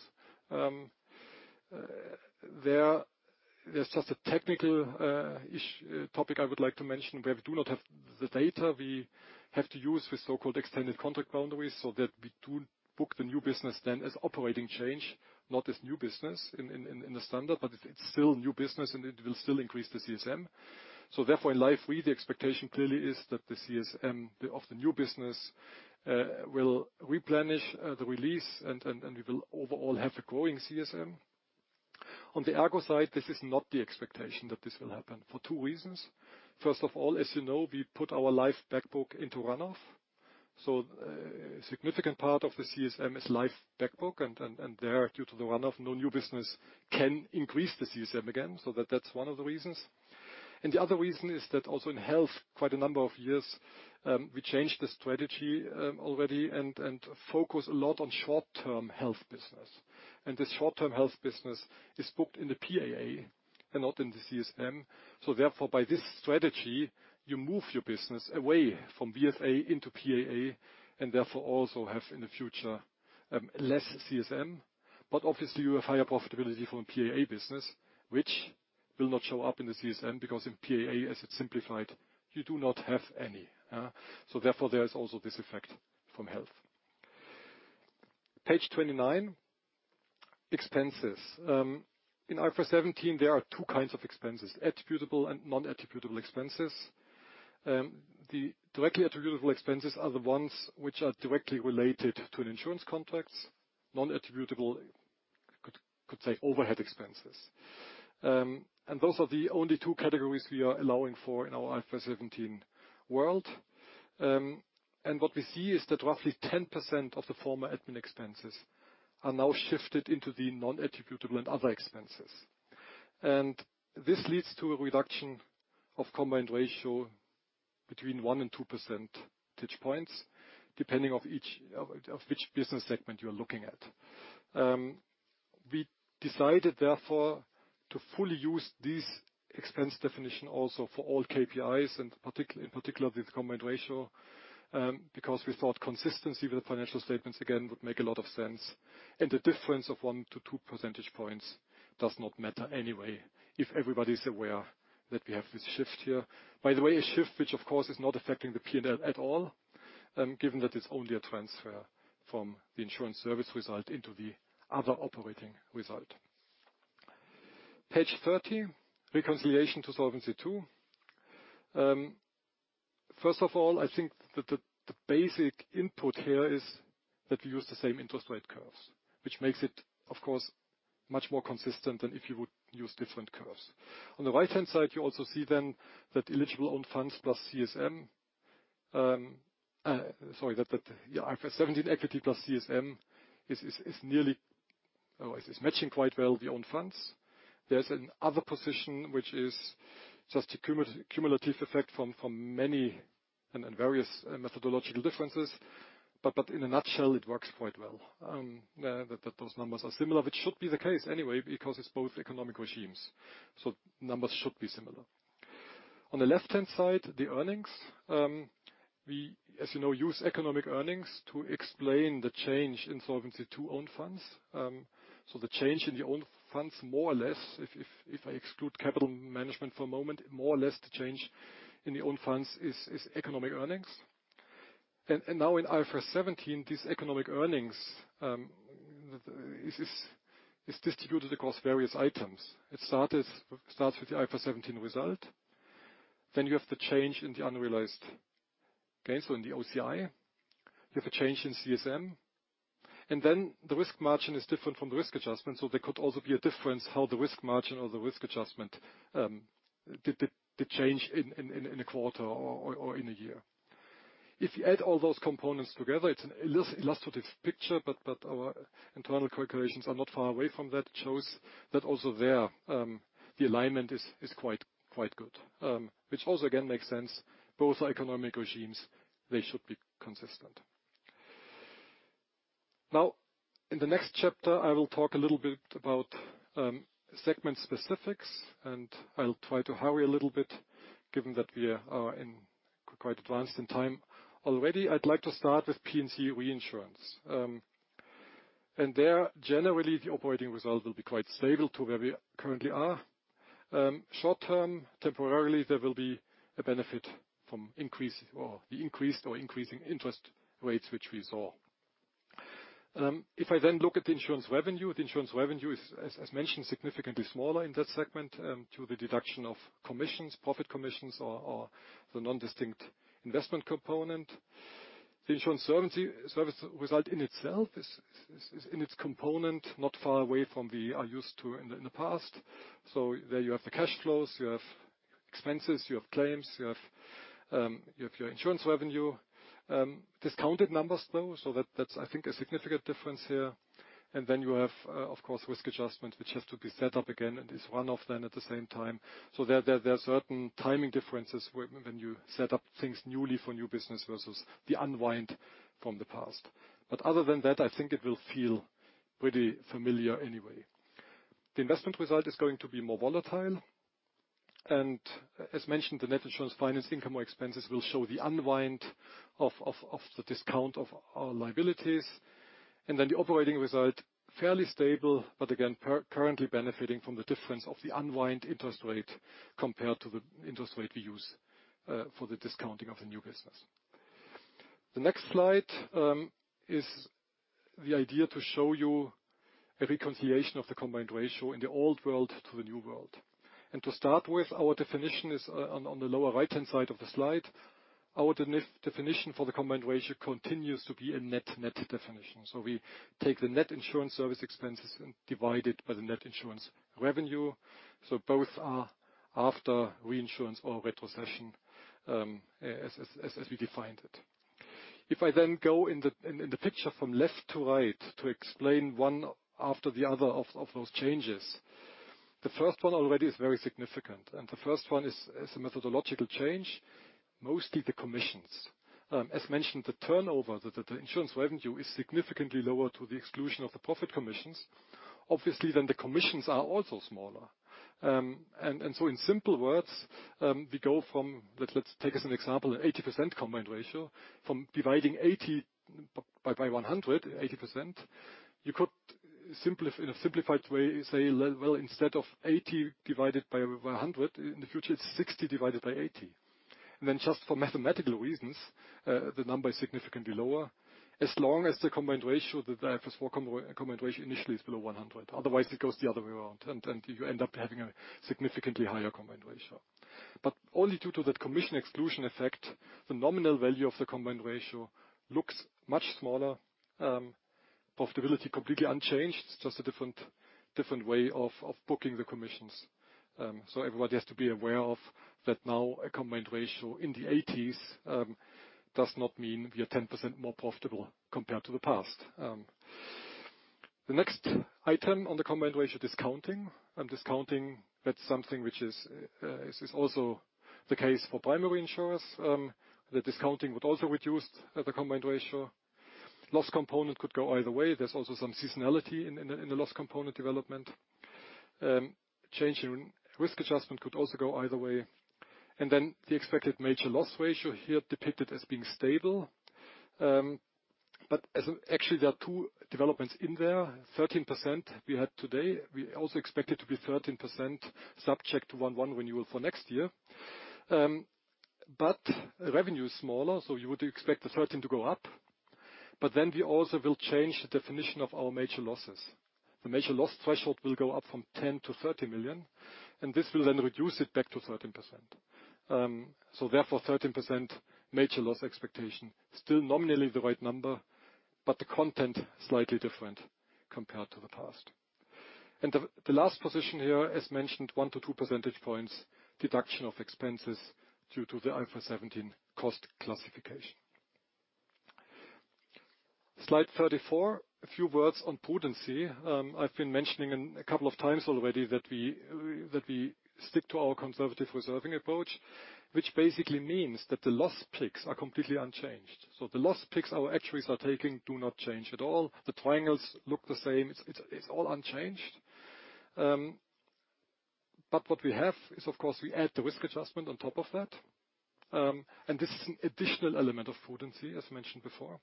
There's just a technical topic I would like to mention. We do not have the data. We have to use the so-called extended contract boundaries so that we do book the new business then as operating change, not as new business in the standard, but it's still new business, and it will still increase the CSM. Therefore, in Life Re, the expectation clearly is that the CSM of the new business will replenish the release and we will overall have a growing CSM. On the ERGO side, this is not the expectation that this will happen for two reasons. First of all, as you know, we put our life back book into runoff. A significant part of the CSM is life back book. And there, due to the runoff, no new business can increase the CSM again. That's one of the reasons. The other reason is that also in health, quite a number of years, we changed the strategy already and focus a lot on short-term health business. The short-term health business is booked in the PAA and not in the CSM. Therefore, by this strategy, you move your business away from VFA into PAA, and therefore, also have, in the future, less CSM. Obviously, you have higher profitability from PAA business, which will not show up in the CSM because in PAA, as it's simplified, you do not have any. Therefore, there is also this effect from health. Page 29, expenses. In IFRS 17, there are two kinds of expenses, attributable and non-attributable expenses. The directly attributable expenses are the ones which are directly related to an insurance contract. Non-attributable, could say overhead expenses. Those are the only two categories we are allowing for in our IFRS 17 world. What we see is that roughly 10% of the former admin expenses are now shifted into the non-attributable and other expenses. This leads to a reduction of combined ratio between one and two percentage points, depending of each, of which business segment you are looking at. We decided, therefore, to fully use this expense definition also for all KPIs, in particular with the combined ratio, because we thought consistency with the financial statements, again, would make a lot of sense. The difference of one to two percentage points does not matter anyway if everybody's aware that we have this shift here. By the way, a shift which of course is not affecting the P&L at all, given that it's only a transfer from the insurance service result into the other operating result. Page 30, reconciliation to Solvency II. First of all, I think that the basic input here is that we use the same interest rate curves, which makes it, of course, much more consistent than if you would use different curves. On the right-hand side, you also see then that eligible own funds plus CSM. Sorry, that IFRS 17 equity plus CSM is nearly, or is matching quite well the own funds. There's an other position which is just a cumulative effect from many and various methodological differences. In a nutshell, it works quite well that those numbers are similar, which should be the case anyway because it's both economic regimes. Numbers should be similar. On the left-hand side, the earnings. We, as you know, use economic earnings to explain the change in Solvency II own funds. The change in the own funds more or less, if I exclude capital management for a moment, more or less the change in the own funds is economic earnings. Now in IFRS 17, this economic earnings is distributed across various items. It starts with the IFRS 17 result. Then you have the change in the unrealized gains, so in the OCI. You have a change in CSM. And then the risk margin is different from the risk adjustment, so there could also be a difference how the risk margin or the risk adjustment, the change in a quarter or in a year. If you add all those components together, it's an ill-illustrative picture, but our internal calculations are not far away from that. It shows that also there, the alignment is quite good. Which also again makes sense, both economic regimes, they should be consistent. In the next chapter, I will talk a little bit about segment specifics, and I'll try to hurry a little bit given that we are in quite advanced in time already. I'd like to start with P&C Reinsurance. There, generally, the operating result will be quite stable to where we currently are. Short-term, temporarily, there will be a benefit from increase or the increased or increasing interest rates which we saw. If I then look at the insurance revenue, the insurance revenue is, as mentioned, significantly smaller in that segment, due to the deduction of commissions, profit commissions or the non-distinct investment component. The insurance service result in itself is in its component, not far away from the, are used to in the, in the past. There you have the cash flows, you have expenses, you have claims, you have your insurance revenue, discounted numbers though, so that's, I think, a significant difference here. Then you have, of course, risk adjustment, which has to be set up again and is one-off then at the same time. There are certain timing differences when you set up things newly for new business versus the unwind from the past. Other than that, I think it will feel pretty familiar anyway. The investment result is going to be more volatile. As mentioned, the net insurance finance income or expenses will show the unwind of the discount of our liabilities. The operating result, fairly stable, but again, currently benefiting from the difference of the unwind interest rate compared to the interest rate we use for the discounting of the new business. The next slide is the idea to show you a reconciliation of the combined ratio in the old world to the new world. To start with, our definition is on the lower right-hand side of the slide. Our definition for the combined ratio continues to be a net/net definition. We take the net insurance service expenses and divide it by the net insurance revenue. Both are after reinsurance or retrocession, as we defined it. If I then go in the picture from left to right to explain one after the other of those changes. The first one already is very significant. The first one is a methodological change, mostly the commissions. As mentioned, the turnover, the insurance revenue is significantly lower to the exclusion of the profit commissions. Obviously, the commissions are also smaller. In simple words, we go from, let's take as an example, an 80% combined ratio from dividing 80 by 100, 80%. You could in a simplified way, say, well, instead of 80 divided by 100, in the future, it's 60 divided by 80. Just for mathematical reasons, the number is significantly lower as long as the combined ratio, the IFRS 4 combined ratio initially is below 100. Otherwise, it goes the other way around, and you end up having a significantly higher combined ratio. Only due to that commission exclusion effect, the nominal value of the combined ratio looks much smaller, profitability completely unchanged, just a different way of booking the commissions. Everybody has to be aware of that now a combined ratio in the 80s does not mean we are 10% more profitable compared to the past. The next item on the combined ratio, discounting. Discounting, that's something which is also the case for primary insurers. The discounting would also reduce the combined ratio. Loss component could go either way. There's also some seasonality in the loss component development. Change in risk adjustment could also go either way. Then the expected major loss ratio here depicted as being stable. Actually, there are two developments in there. 13% we had today, we also expect it to be 13% subject to 1/1 renewal for next year. revenue is smaller, so you would expect the 13 to go up. We also will change the definition of our major losses. The major loss threshold will go up from 10 million-30 million, and this will then reduce it back to 13%. Therefore, 13% major loss expectation, still nominally the right number, but the content slightly different compared to the past. The last position here, as mentioned, one to two percentage points deduction of expenses due to the IFRS 17 cost classification. Slide 34. A few words on prudency. I've been mentioning a couple of times already that we stick to our conservative reserving approach, which basically means that the loss picks are completely unchanged. The loss picks our actuaries are taking do not change at all. The triangles look the same. It's all unchanged. What we have is, of course, we add the risk adjustment on top of that. This is an additional element of prudency, as mentioned before.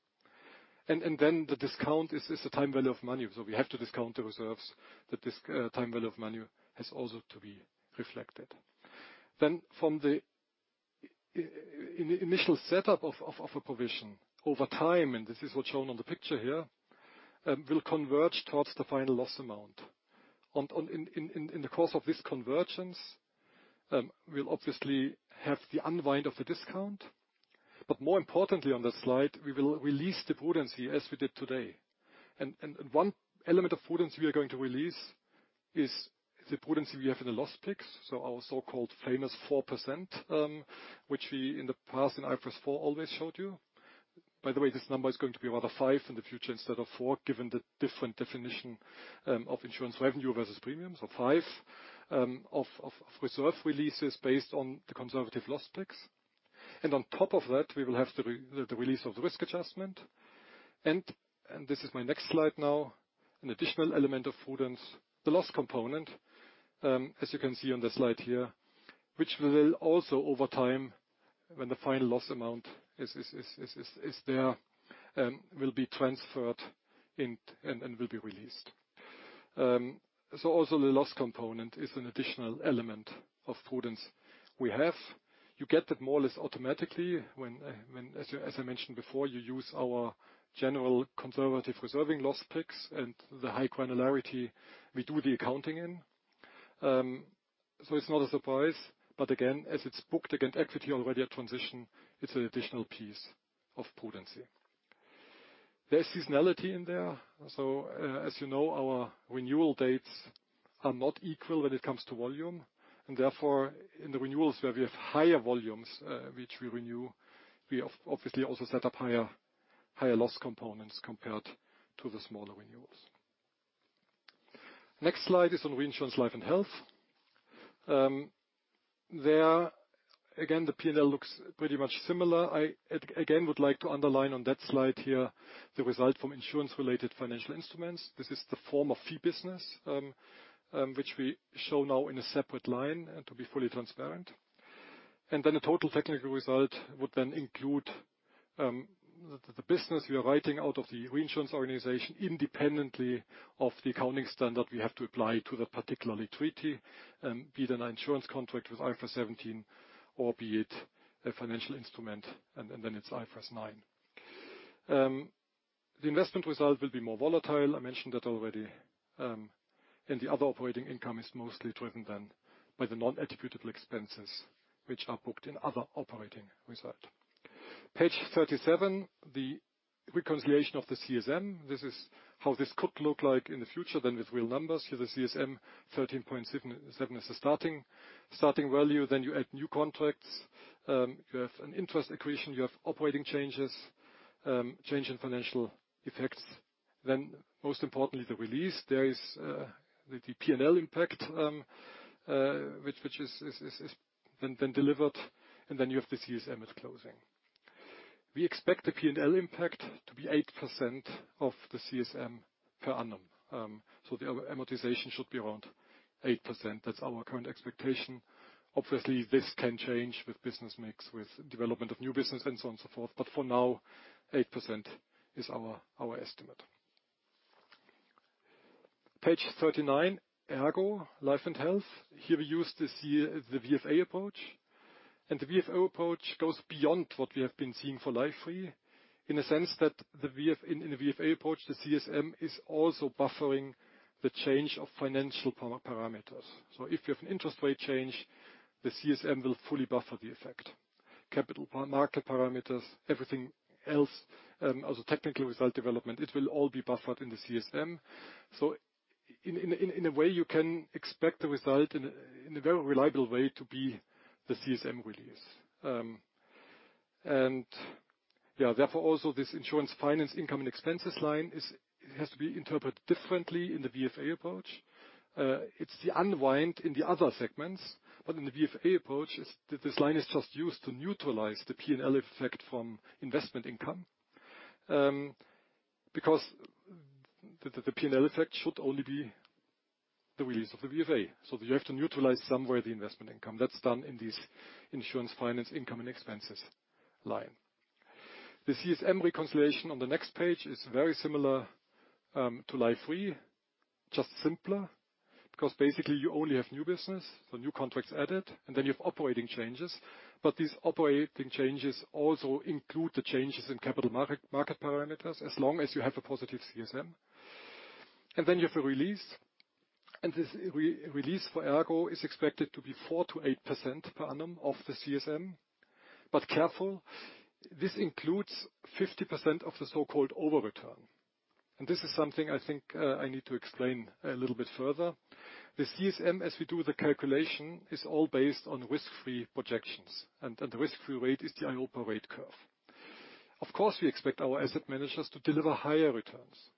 Then the discount is the time value of money. We have to discount the reserves, the time value of money has also to be reflected. From the initial setup of a provision over time, and this is what's shown on the picture here, will converge towards the final loss amount. In the course of this convergence, we'll obviously have the unwind of the discount. More importantly on that slide, we will release the prudency as we did today. One element of prudency we are going to release is the prudency we have in the loss picks. Our so-called famous 4%, which we in the past in IFRS 4 always showed you. By the way, this number is going to be rather five in the future instead of four, given the different definition of insurance revenue versus premiums. Five of reserve releases based on the conservative loss picks. On top of that, we will have to release of risk adjustment. This is my next slide now, an additional element of prudence, the loss component, as you can see on the slide here, which will also over time when the final loss amount is there, will be transferred and will be released. Also the loss component is an additional element of prudence we have. You get that more or less automatically when as I mentioned before, you use our general conservative reserving loss picks and the high granularity we do the accounting in. It's not a surprise, but again, as it's booked against equity already at transition, it's an additional piece of prudency. There's seasonality in there. As you know, our renewal dates are not equal when it comes to volume, and therefore, in the renewals where we have higher volumes, which we renew, we obviously also set up higher loss components compared to the smaller renewals. Next slide is on reinsurance life and health. There, again, the P&L looks pretty much similar. I again would like to underline on that slide here, the result from insurance-related financial instruments. This is the form of fee business, which we show now in a separate line and to be fully transparent. The total technical result would then include the business we are writing out of the reinsurance organization, independently of the accounting standard we have to apply to the particular treaty, be it an insurance contract with IFRS 17 or be it a financial instrument, and then it's IFRS 9. The investment result will be more volatile. I mentioned that already. The other operating income is mostly driven then by the non-attributable expenses, which are booked in other operating result. Page 37, the reconciliation of the CSM. This is how this could look like in the future then with real numbers. Here, the CSM 13.77 is the starting value. Then you add new contracts. You have an interest accretion, you have operating changes, change in financial effects. Most importantly, the release. There is the P&L impact which is then delivered, and then you have the CSM at closing. We expect the P&L impact to be 8% of the CSM per annum. The amortization should be around 8%. That's our current expectation. Obviously, this can change with business mix, with development of new business and so on and so forth. But for now, 8% is our estimate. Page 39, ERGO Life and Health. Here we use the VFA approach. The VFA approach goes beyond what we have been seeing for Life Re in a sense that in the VFA approach, the CSM is also buffering the change of financial parameters. If you have an interest rate change, the CSM will fully buffer the effect. Capital market parameters, everything else, also technical result development, it will all be buffered in the CSM. In a way, you can expect the result in a very reliable way to be the CSM release. Therefore, also this Insurance Finance Income and Expenses line has to be interpreted differently in the VFA approach. It's the unwind in the other segments, but in the VFA approach, this line is just used to neutralize the P&L effect from investment income. Because the P&L effect should only be the release of the VFA. You have to neutralize somewhere the investment income. That's done in this Insurance Finance Income and Expenses line. The CSM reconciliation on the next page is very similar to Life Re, just simpler, because basically you only have new business, so new contracts added, and then you have operating changes. These operating changes also include the changes in capital market parameters, as long as you have a positive CSM. You have a release. This release for ERGO is expected to be 4%-8% per annum of the CSM. Careful, this includes 50% of the so-called overreturn. This is something I think I need to explain a little bit further. The CSM, as we do the calculation, is all based on risk-free projections. The risk-free rate is the EIOPA rate curve. Of course, we expect our asset managers to deliver higher returns.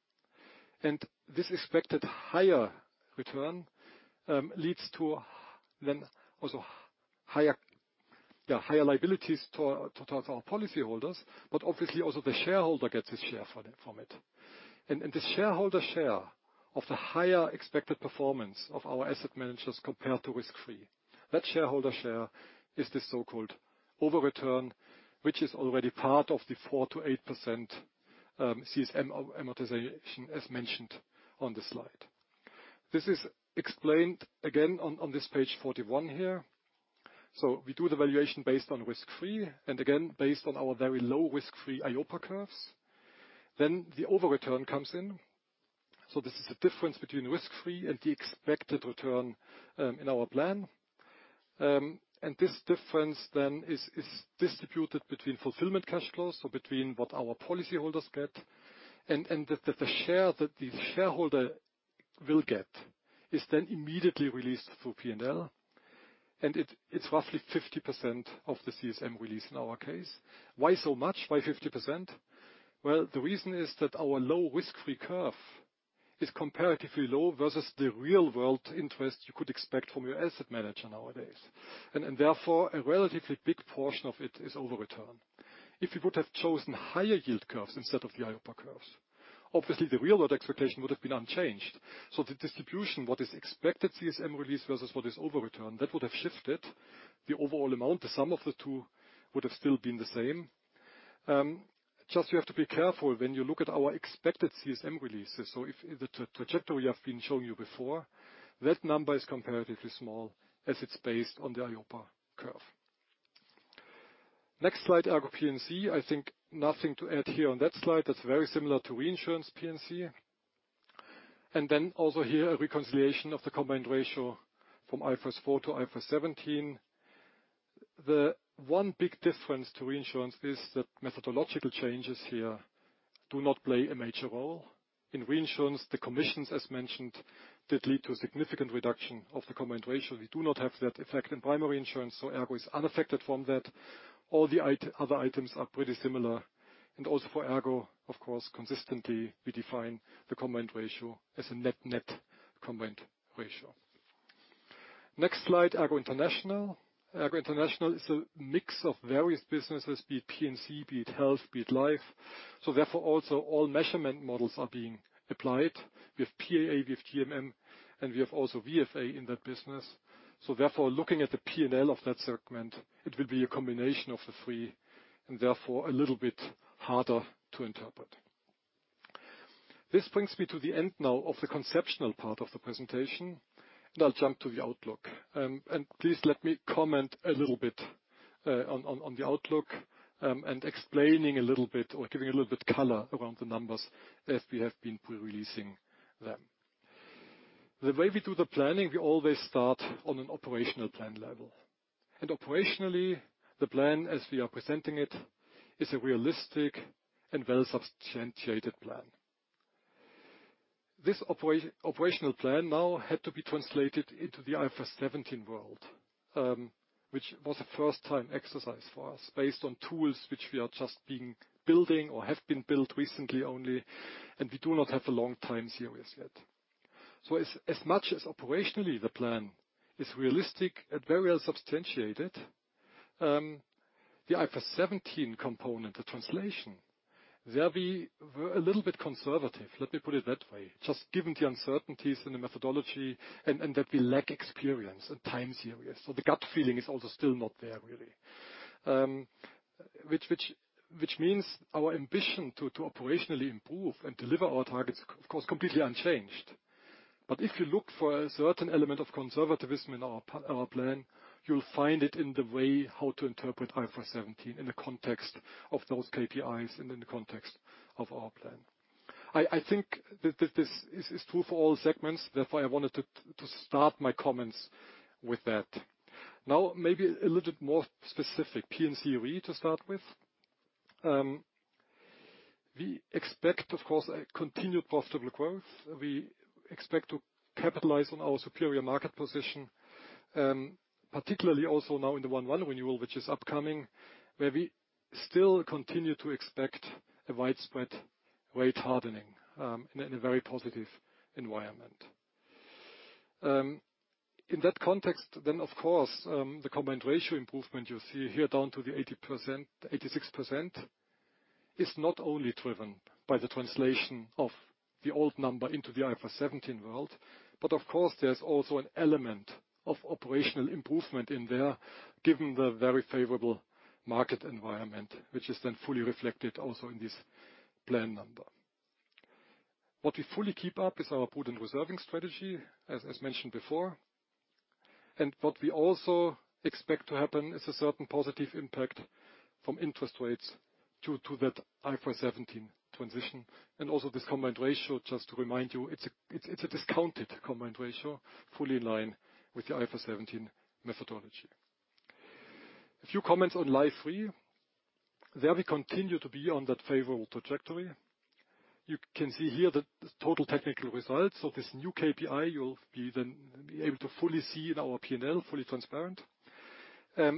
This expected higher return leads to then also higher liabilities towards our policyholders, but obviously also the shareholder gets his share from it. The shareholder share of the higher expected performance of our asset managers compared to risk-free, that shareholder share is the so-called overreturn, which is already part of the 4%-8% CSM amortization as mentioned on the slide. This is explained again on this page 41 here. We do the valuation based on risk-free, and again, based on our very low risk-free EIOPA curves. The overreturn comes in. This is the difference between risk-free and the expected return in our plan. This difference is distributed between fulfillment cash flows, so between what our policyholders get, and the share that the shareholder will get is immediately released through P&L. It's roughly 50% of the CSM release in our case. Why so much? Why 50%? The reason is that our low risk-free curve is comparatively low versus the real-world interest you could expect from your asset manager nowadays. Therefore, a relatively big portion of it is over-return. If you would have chosen higher yield curves instead of the EIOPA curves, obviously the real world expectation would have been unchanged. The distribution, what is expected CSM release versus what is over-return, that would have shifted the overall amount. The sum of the two would have still been the same. Just you have to be careful when you look at our expected CSM releases. If the trajectory we have been showing you before, that number is comparatively small, as it's based on the EIOPA curve. Next slide, ERGO P&C. I think nothing to add here on that slide. That's very similar to reinsurance P&C. Also here, a reconciliation of the combined ratio from IFRS 4 to IFRS 17. The one big difference to reinsurance is that methodological changes here do not play a major role. In reinsurance, the commissions, as mentioned, did lead to a significant reduction of the combined ratio. We do not have that effect in primary insurance, so ERGO is unaffected from that. All the other items are pretty similar. For ERGO, of course, consistently, we define the combined ratio as a net-net combined ratio. Next slide, ERGO International. ERGO International is a mix of various businesses, be it P&C, be it health, be it life. Therefore also all measurement models are being applied. We have PAA, we have GMM, and we have also VFA in that business. Therefore, looking at the P&L of that segment, it will be a combination of the three, and therefore a little bit harder to interpret. This brings me to the end now of the conceptual part of the presentation. Now I'll jump to the outlook. Please let me comment a little bit on the outlook and explaining a little bit or giving a little bit color around the numbers as we have been pre-releasing them. The way we do the planning, we always start on an operational plan level. Operationally, the plan as we are presenting it, is a realistic and well-substantiated plan. This operational plan now had to be translated into the IFRS 17 world, which was a first-time exercise for us based on tools which we are building or have been built recently only, and we do not have a long time series yet. As much as operationally the plan is realistic and very well substantiated, the IFRS 17 component, the translation, there we were a little bit conservative, let me put it that way. Just given the uncertainties in the methodology and that we lack experience and time series. The gut feeling is also still not there, really. which means our ambition to operationally improve and deliver our targets, of course, completely unchanged. If you look for a certain element of conservativism in our plan, you'll find it in the way how to interpret IFRS 17 in the context of those KPIs and in the context of our plan. I think that this is true for all segments. I wanted to start my comments with that. Maybe a little bit more specific. P&C Re to start with. We expect, of course, a continued profitable growth. We expect to capitalize on our superior market position, particularly also now in the 1/1 renewal, which is upcoming, where we still continue to expect a widespread rate hardening in a very positive environment. In that context then, of course, the combined ratio improvement you see here down to the 80%, 86%, is not only driven by the translation of the old number into the IFRS 17 world, but of course, there's also an element of operational improvement in there, given the very favorable market environment, which is then fully reflected also in this plan number. What we fully keep up is our prudent reserving strategy, as mentioned before. What we also expect to happen is a certain positive impact from interest rates due to that IFRS 17 transition. Also this combined ratio, just to remind you, it's a discounted combined ratio, fully in line with the IFRS 17 methodology. A few comments on Life Re. There we continue to be on that favorable trajectory. You can see here that the total technical results of this new KPI, you'll then be able to fully see in our P&L, fully transparent. There,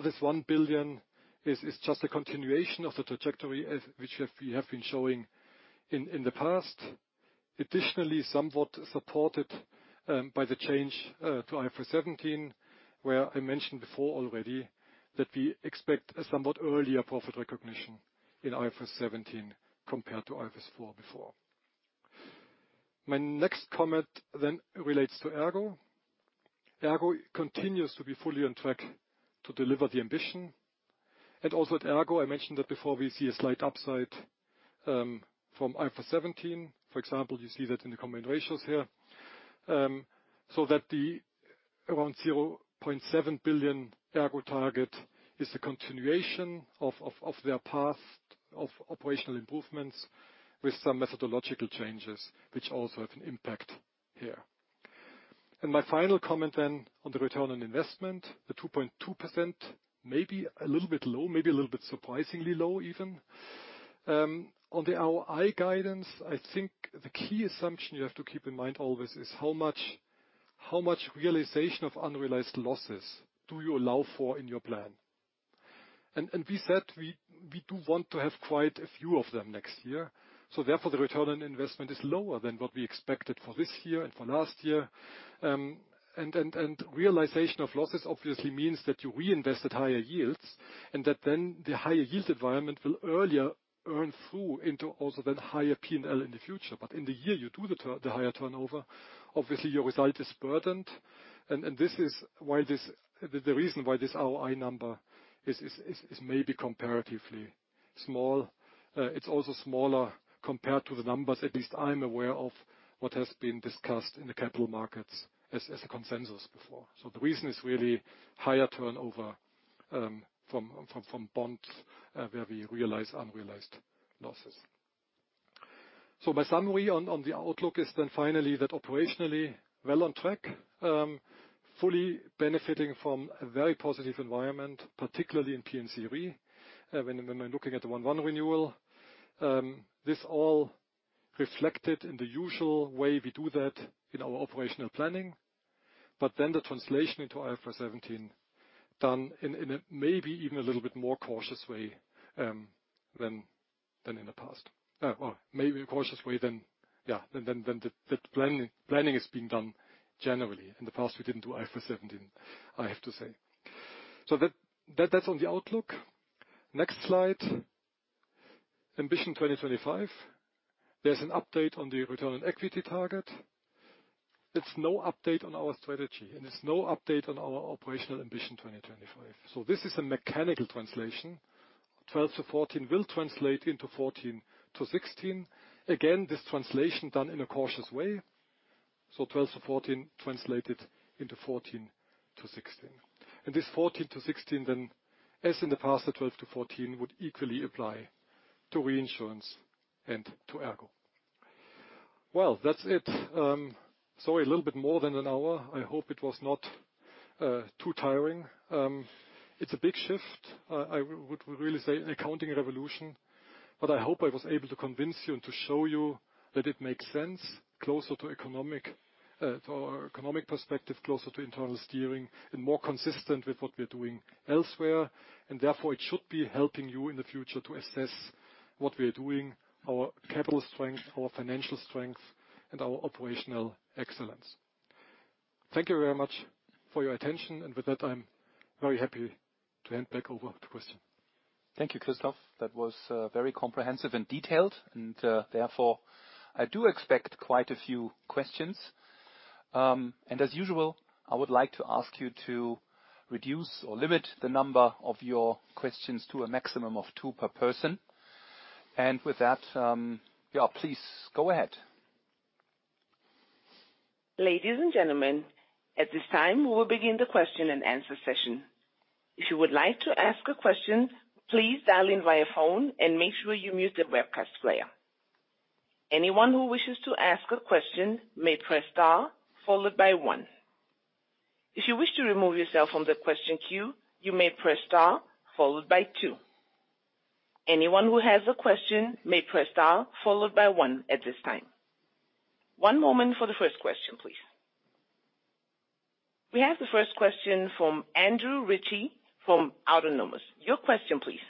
this 1 billion is just a continuation of the trajectory as which we have been showing in the past. Additionally, somewhat supported by the change to IFRS 17, where I mentioned before already that we expect a somewhat earlier profit recognition in IFRS 17 compared to IFRS 4 before. My next comment then relates to ERGO. ERGO continues to be fully on track to deliver the Ambition. Also at ERGO, I mentioned that before we see a slight upside from IFRS 17. For example, you see that in the combined ratios here. That the around 0.7 billion ERGO target is a continuation of their path of operational improvements with some methodological changes which also have an impact here. My final comment then on the return on investment, the 2.2% may be a little bit low, maybe a little bit surprisingly low even. On the ROI guidance, I think the key assumption you have to keep in mind always is how much realization of unrealized losses do you allow for in your plan. We said we do want to have quite a few of them next year, so therefore the return on investment is lower than what we expected for this year and for last year. Realization of losses obviously means that you reinvest at higher yields, and that then the higher yield environment will earlier earn through into also then higher P&L in the future. In the year you do the higher turnover, obviously your result is burdened. This is why the reason why this ROI number is maybe comparatively small. It's also smaller compared to the numbers, at least I'm aware of what has been discussed in the capital markets as a consensus before. The reason is really higher turnover from bonds, where we realize unrealized losses. My summary on the outlook is then finally that operationally well on track, fully benefiting from a very positive environment, particularly in P&C Re. When looking at the 1/1 renewal, this all reflected in the usual way we do that in our operational planning. The translation into IFRS 17 done in a maybe even a little bit more cautious way than in the past. Maybe a cautious way than the planning is being done generally. In the past, we didn't do IFRS 17, I have to say. That's on the outlook. Next slide. Ambition 2025. There's an update on the return on equity target. It's no update on our strategy, and it's no update on our operational Ambition 2025. This is a mechanical translation. 12%-14% will translate into 14%-16%. Again, this translation done in a cautious way. 12%-14% translated into 14%-16%. This 14-16 then, as in the past, the 12-14 would equally apply to reinsurance and to ERGO. Well, that's it. Sorry, a little bit more than an hour. I hope it was not too tiring. It's a big shift. I would really say an accounting revolution, but I hope I was able to convince you and to show you that it makes sense closer to economic, or economic perspective, closer to internal steering, and more consistent with what we're doing elsewhere. Therefore, it should be helping you in the future to assess what we are doing, our capital strength, our financial strength, and our operational excellence. Thank you very much for your attention. With that, I'm very happy to hand back over to Christian. Thank you, Christoph. That was very comprehensive and detailed. Therefore, I do expect quite a few questions. As usual, I would like to ask you to reduce or limit the number of your questions to a maximum of two per person. With that, please go ahead. Ladies and gentlemen, at this time, we will begin the question-and-answer session. If you would like to ask a question, please dial in via phone and make sure you mute the webcast player. Anyone who wishes to ask a question may press star followed by one. If you wish to remove yourself from the question queue, you may press star followed by two. Anyone who has a question may press star followed by one at this time. One moment for the first question, please. We have the first question from Andrew Ritchie from Autonomous Research. Your question, please.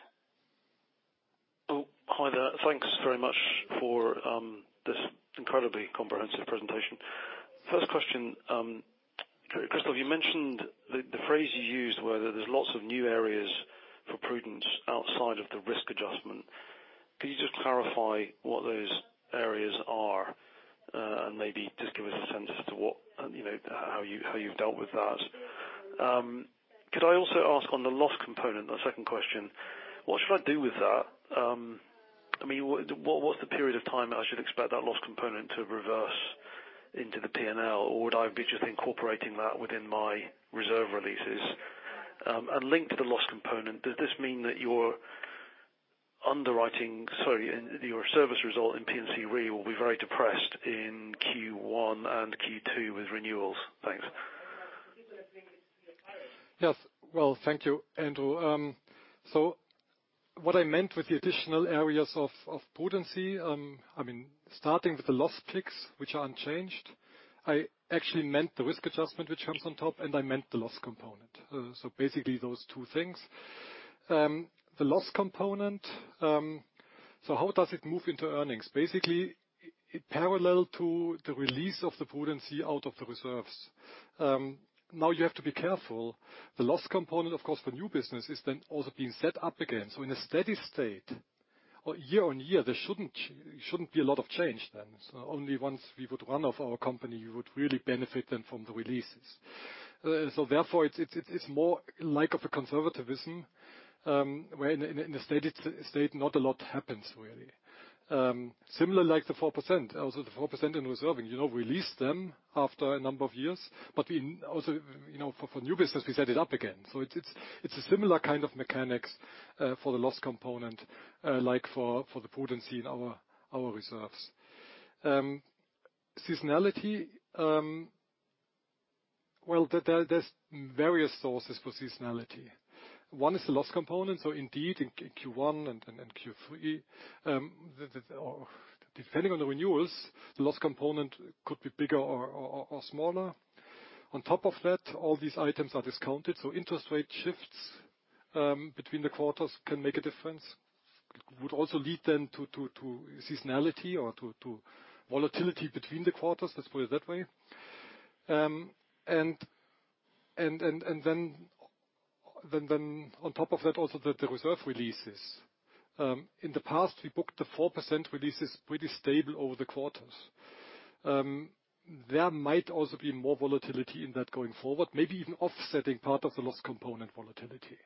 Oh, hi there. Thanks very much for this incredibly comprehensive presentation. First question, Christoph, you mentioned the phrase you used, whether there's lots of new areas for prudence outside of the risk adjustment. Could you just clarify what those areas are and maybe just give us a sense as to what, you know, how you've dealt with that? Could I also ask on the loss component, the second question, what should I do with that? I mean, what's the period of time I should expect that loss component to reverse into the P&L? Would I be just incorporating that within my reserve releases? Linked to the loss component, does this mean that your underwriting, sorry, your service result in P&C Re will be very depressed in Q1 and Q2 with renewals? Thanks. Yes. Well, thank you, Andrew. What I meant with the additional areas of prudency, starting with the loss picks, which are unchanged, I actually meant the risk adjustment which comes on top, and I meant the loss component. Basically those two things. The loss component, how does it move into earnings? Basically, it parallel to the release of the prudency out of the reserves. You have to be careful. The loss component, of course, for new business is then also being set up again. In a steady state or year-on-year, there shouldn't be a lot of change then. Only once we would run off our company, you would really benefit then from the releases. So therefore, it's more lack of a conservatism, where in a steady state, not a lot happens, really. Similar like the 4%. Also, the 4% in reserving, you know, release them after a number of years. We also, you know, for new business, we set it up again. It's a similar kind of mechanics for the loss component, like for the prudency in our reserves. Seasonality, well, there's various sources for seasonality. One is the loss component, so indeed, in Q1 and Q3, or depending on the renewals, the loss component could be bigger or smaller. On top of that, all these items are discounted, so interest rate shifts between the quarters can make a difference. Would also lead then to seasonality or to volatility between the quarters, let's put it that way. On top of that also the reserve releases. In the past, we booked the 4% releases pretty stable over the quarters. There might also be more volatility in that going forward, maybe even offsetting part of the loss component volatility.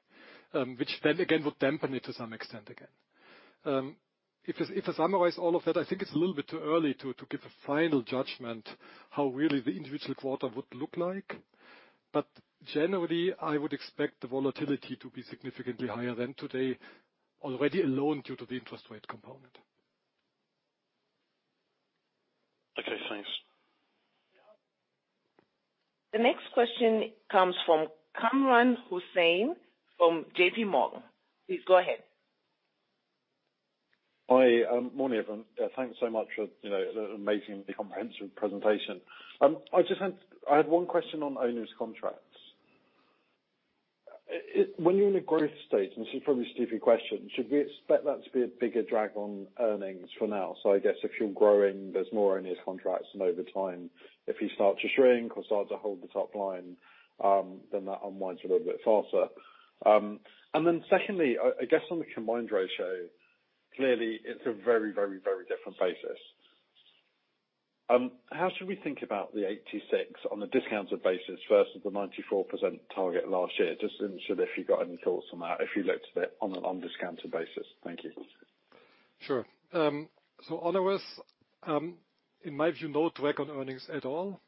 Which then again would dampen it to some extent again. If I summarize all of that, I think it's a little bit too early to give a final judgment how really the individual quarter would look like. Generally, I would expect the volatility to be significantly higher than today, already alone due to the interest rate component. Okay, thanks. The next question comes from Kamran Hossain from J.P. Morgan. Please go ahead. Hi. Morning, everyone. Thanks so much for, you know, the amazing comprehensive presentation. I had one question on onerous contracts. When you're in a growth stage, this is probably a stupid question, should we expect that to be a bigger drag on earnings for now? I guess if you're growing, there's more onerous contracts, over time, if you start to shrink or start to hold the top line, that unwinds a little bit faster. Secondly, I guess on the combined ratio, clearly, it's a very different basis. How should we think about the 86 on a discounted basis versus the 94% target last year? Just interested if you've got any thoughts on that, if you looked at it on an undiscounted basis. Thank you. Sure. Onerous, in my view, no drag on earnings at all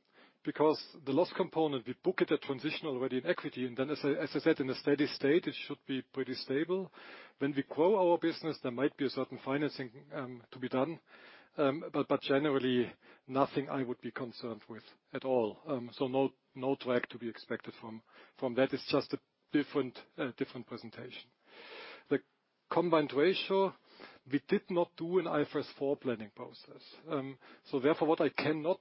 because the loss component, we book it at transitional already in equity. As I said, in a steady state, it should be pretty stable. When we grow our business, there might be a certain financing to be done. Generally nothing I would be concerned with at all. No drag to be expected from that. It's just a different presentation. The combined ratio, we did not do an IFRS 4 planning process. Therefore, what I cannot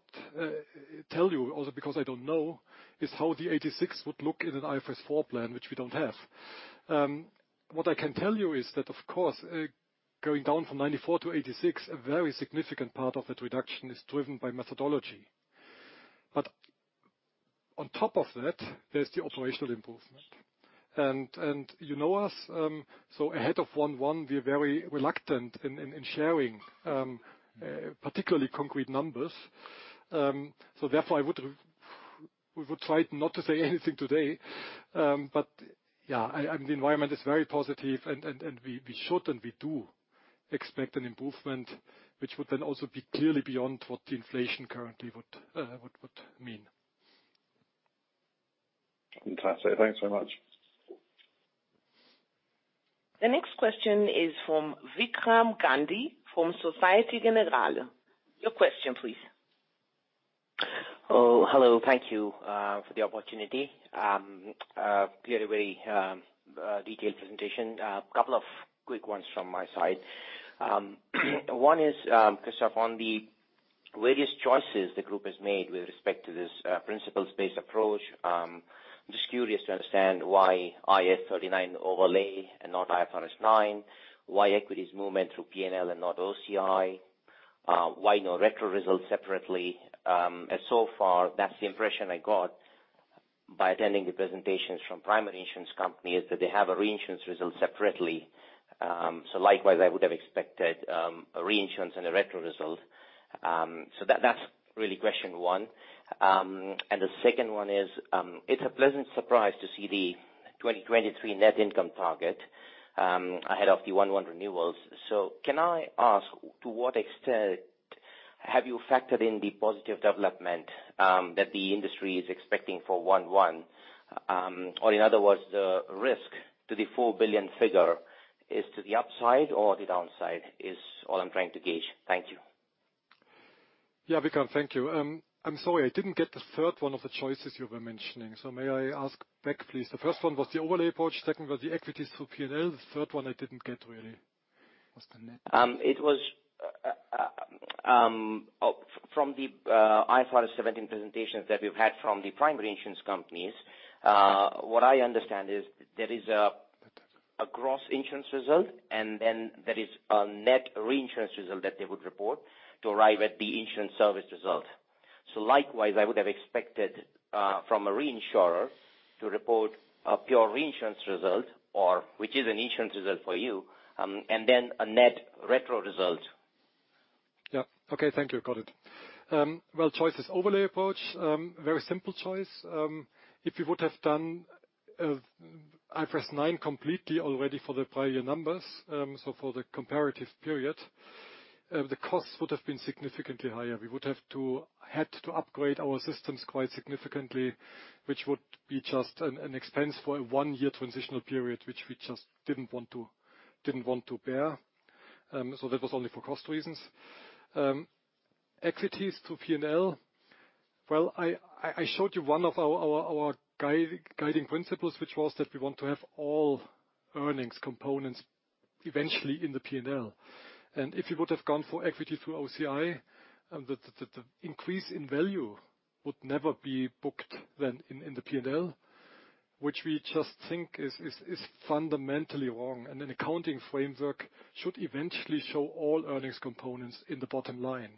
tell you, also because I don't know, is how the 86% would look in an IFRS 4 plan, which we don't have. What I can tell you is that of course, going down from 94-86, a very significant part of that reduction is driven by methodology. On top of that, there's the operational improvement. You know us, ahead of 1/1, we're very reluctant in sharing, particularly concrete numbers. Therefore, we would try not to say anything today. Yeah, I mean, the environment is very positive and we should and we do expect an improvement, which would then also be clearly beyond what the inflation currently would mean. Fantastic. Thanks very much. The next question is from Vikram Gandhi from Société Générale. Your question, please. Hello. Thank you for the opportunity. Clearly, a detailed presentation. Couple of quick ones from my side. One is, Christoph, on the various choices the group has made with respect to this principles-based approach, just curious to understand why IAS 39 overlay and not IFRS 9, why equities movement through P&L and not OCI, why no retro results separately? So far, that's the impression I got by attending the presentations from primary insurance companies, that they have a reinsurance result separately. Likewise, I would have expected a reinsurance and a retro result. That's really question one. The second one is, it's a pleasant surprise to see the 2023 net income target ahead of the one-one renewals. Can I ask, to what extent have you factored in the positive development that the industry is expecting for 1/1? In other words, the risk to the 4 billion figure is to the upside or the downside is all I'm trying to gauge. Thank you. Vikram, thank you. I'm sorry. I didn't get the third one of the choices you were mentioning. May I ask back, please? The first one was the overlay approach, second was the equities through P&L. The third one I didn't get really. What's the net? It was from the IFRS 17 presentations that we've had from the primary insurance companies, what I understand is there is a gross insurance result, and then there is a net reinsurance result that they would report to arrive at the insurance service result. Likewise, I would have expected from a reinsurer to report a pure reinsurance result or which is an insurance result for you, and then a net retro result. Yeah. Okay. Thank you. Got it. Well, choices overlay approach, very simple choice. If we would have done IFRS 9 completely already for the prior year numbers, so for the comparative period, the costs would have been significantly higher. We would have had to upgrade our systems quite significantly, which would be just an expense for a one-year transitional period, which we just didn't want to bear. That was only for cost reasons. Equities to P&L. Well, I showed you one of our guiding principles, which was that we want to have all earnings components eventually in the P&L. If you would have gone for equity through OCI, the increase in value would never be booked in the P&L, which we just think is fundamentally wrong. An accounting framework should eventually show all earnings components in the bottom line.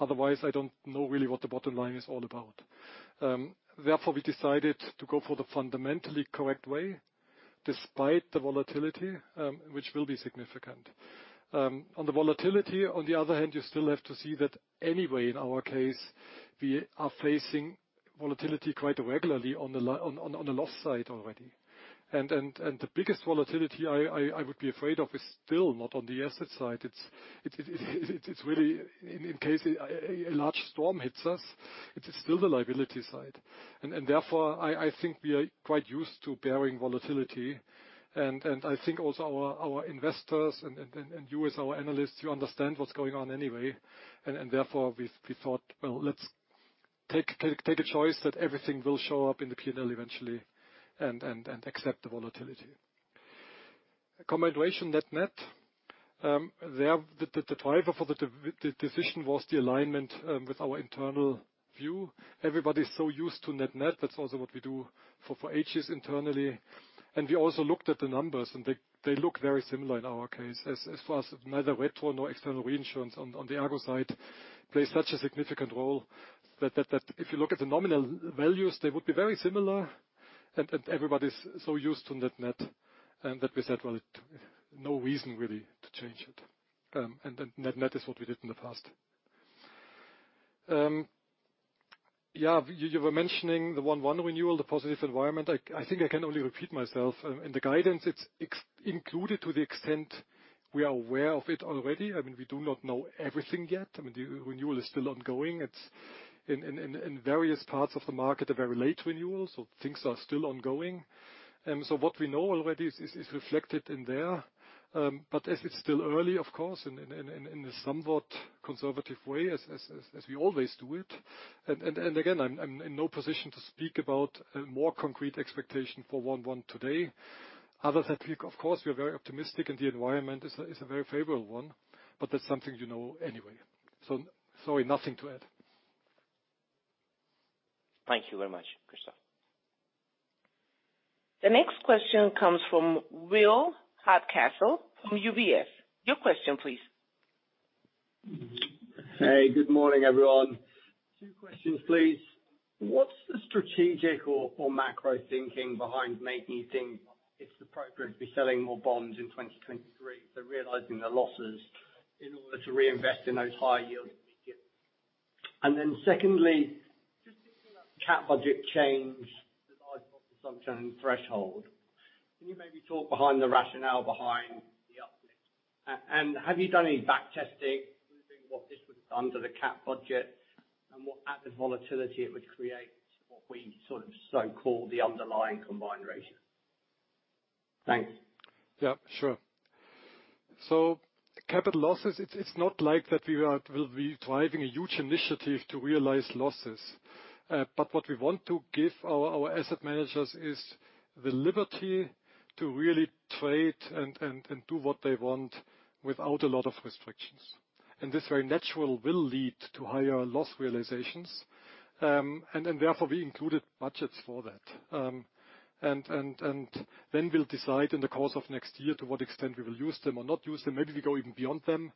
Otherwise, I don't know really what the bottom line is all about. Therefore, we decided to go for the fundamentally correct way, despite the volatility, which will be significant. On the volatility, on the other hand, you still have to see that anyway, in our case, we are facing volatility quite regularly on the loss side already. The biggest volatility I would be afraid of is still not on the asset side. It's really in case a large storm hits us, it is still the liability side. Therefore, I think we are quite used to bearing volatility. I think also our investors and you as our analysts, you understand what's going on anyway. Therefore, we thought, well, let's take a choice that everything will show up in the P&L eventually and accept the volatility. Combination net-net, there the driver for the decision was the alignment with our internal view. Everybody's so used to net-net. That's also what we do for ages internally. We also looked at the numbers, and they look very similar in our case, as far as neither retro nor external reinsurance on the ERGO side, plays such a significant role that if you look at the nominal values, they would be very similar. Everybody's so used to net-net, and that we said, well, no reason really to change it. Then net-net is what we did in the past. Yeah, you were mentioning the 1/1 renewal, the positive environment. I think I can only repeat myself. The guidance, it's included to the extent we are aware of it already. I mean, we do not know everything yet. I mean, the renewal is still ongoing. It's in various parts of the market, a very late renewal, so things are still ongoing. What we know already is reflected in there. As it's still early, of course, in a somewhat conservative way, as we always do it. Again, I'm in no position to speak about a more concrete expectation for one-one today. Other than of course, we are very optimistic, and the environment is a very favorable one, but that's something you know anyway. Sorry, nothing to add. Thank you very much, Christoph. The next question comes from Will Hardcastle from UBS. Your question, please. Hey, good morning, everyone. Two questions, please. What's the strategic or macro thinking behind making you think it's appropriate to be selling more bonds in 2023, so realizing the losses in order to reinvest in those higher yields? Secondly, just picking up cat budget change, the large loss assumption threshold. Can you maybe talk behind the rationale behind the uplift? And have you done any back testing, maybe what this would have done to the cat budget and what at the volatility it would create what we sort of so-call the underlying combined ratio? Thanks. Yeah, sure. Capital losses, it's not like that we will be driving a huge initiative to realize losses. What we want to give our asset managers is the liberty to really trade and do what they want without a lot of restrictions. This very natural will lead to higher loss realizations. Therefore, we included budgets for that. Then we'll decide in the course of next year to what extent we will use them or not use them. Maybe we go even beyond them.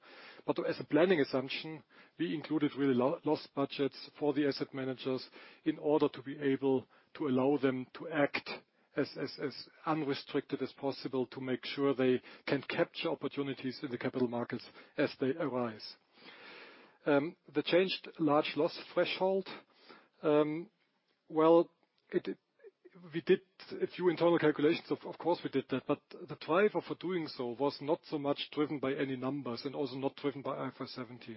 As a planning assumption, we included really loss budgets for the asset managers in order to be able to allow them to act as unrestricted as possible to make sure they can capture opportunities in the capital markets as they arise. The changed large loss threshold, well, we did a few internal calculations. Of course, we did that, but the driver for doing so was not so much driven by any numbers and also not driven by IFRS 17,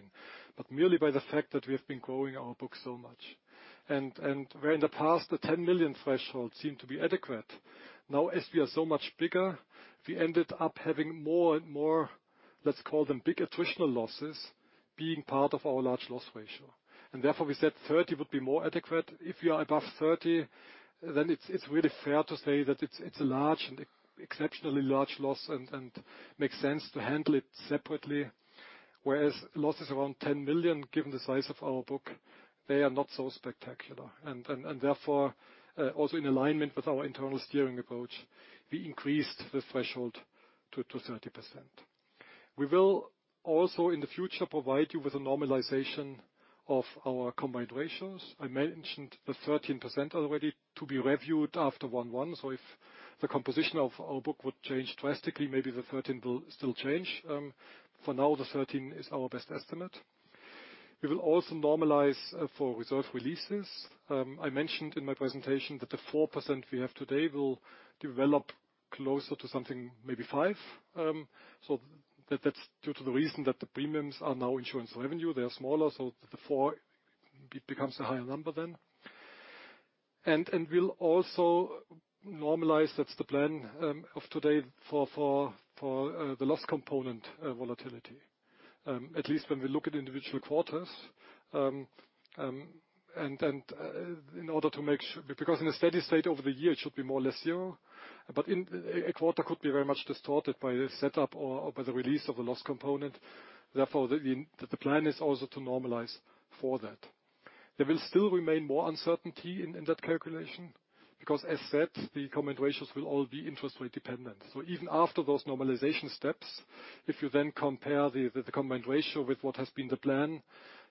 but merely by the fact that we have been growing our book so much. Where in the past the 10 million threshold seemed to be adequate. Now, as we are so much bigger, we ended up having more and more, let's call them big attritional losses, being part of our large loss ratio. Therefore, we said 30 would be more adequate. If you are above 30, then it's really fair to say that it's a large, an exceptionally large loss and makes sense to handle it separately. Whereas losses around 10 million, given the size of our book, they are not so spectacular. Therefore, also in alignment with our internal steering approach, we increased the threshold to 30%. We will also, in the future, provide you with a normalization of our combined ratios. I mentioned the 13% already to be reviewed after one-one. If the composition of our book would change drastically, maybe the 13 will still change. For now, the 13 is our best estimate. We will also normalize for reserve releases. I mentioned in my presentation that the 4% we have today will develop closer to something, maybe five. That's due to the reason that the premiums are now insurance revenue. They are smaller, the four becomes a higher number then. We'll also normalize, that's the plan of today for the loss component volatility. At least when we look at individual quarters. In order to make Because in a steady state over the year, it should be more or less zero. A quarter could be very much distorted by the setup or by the release of a loss component. The plan is also to normalize for that. There will still remain more uncertainty in that calculation, because as said, the combined ratios will all be interest rate dependent. Even after those normalization steps, if you then compare the combined ratio with what has been the plan,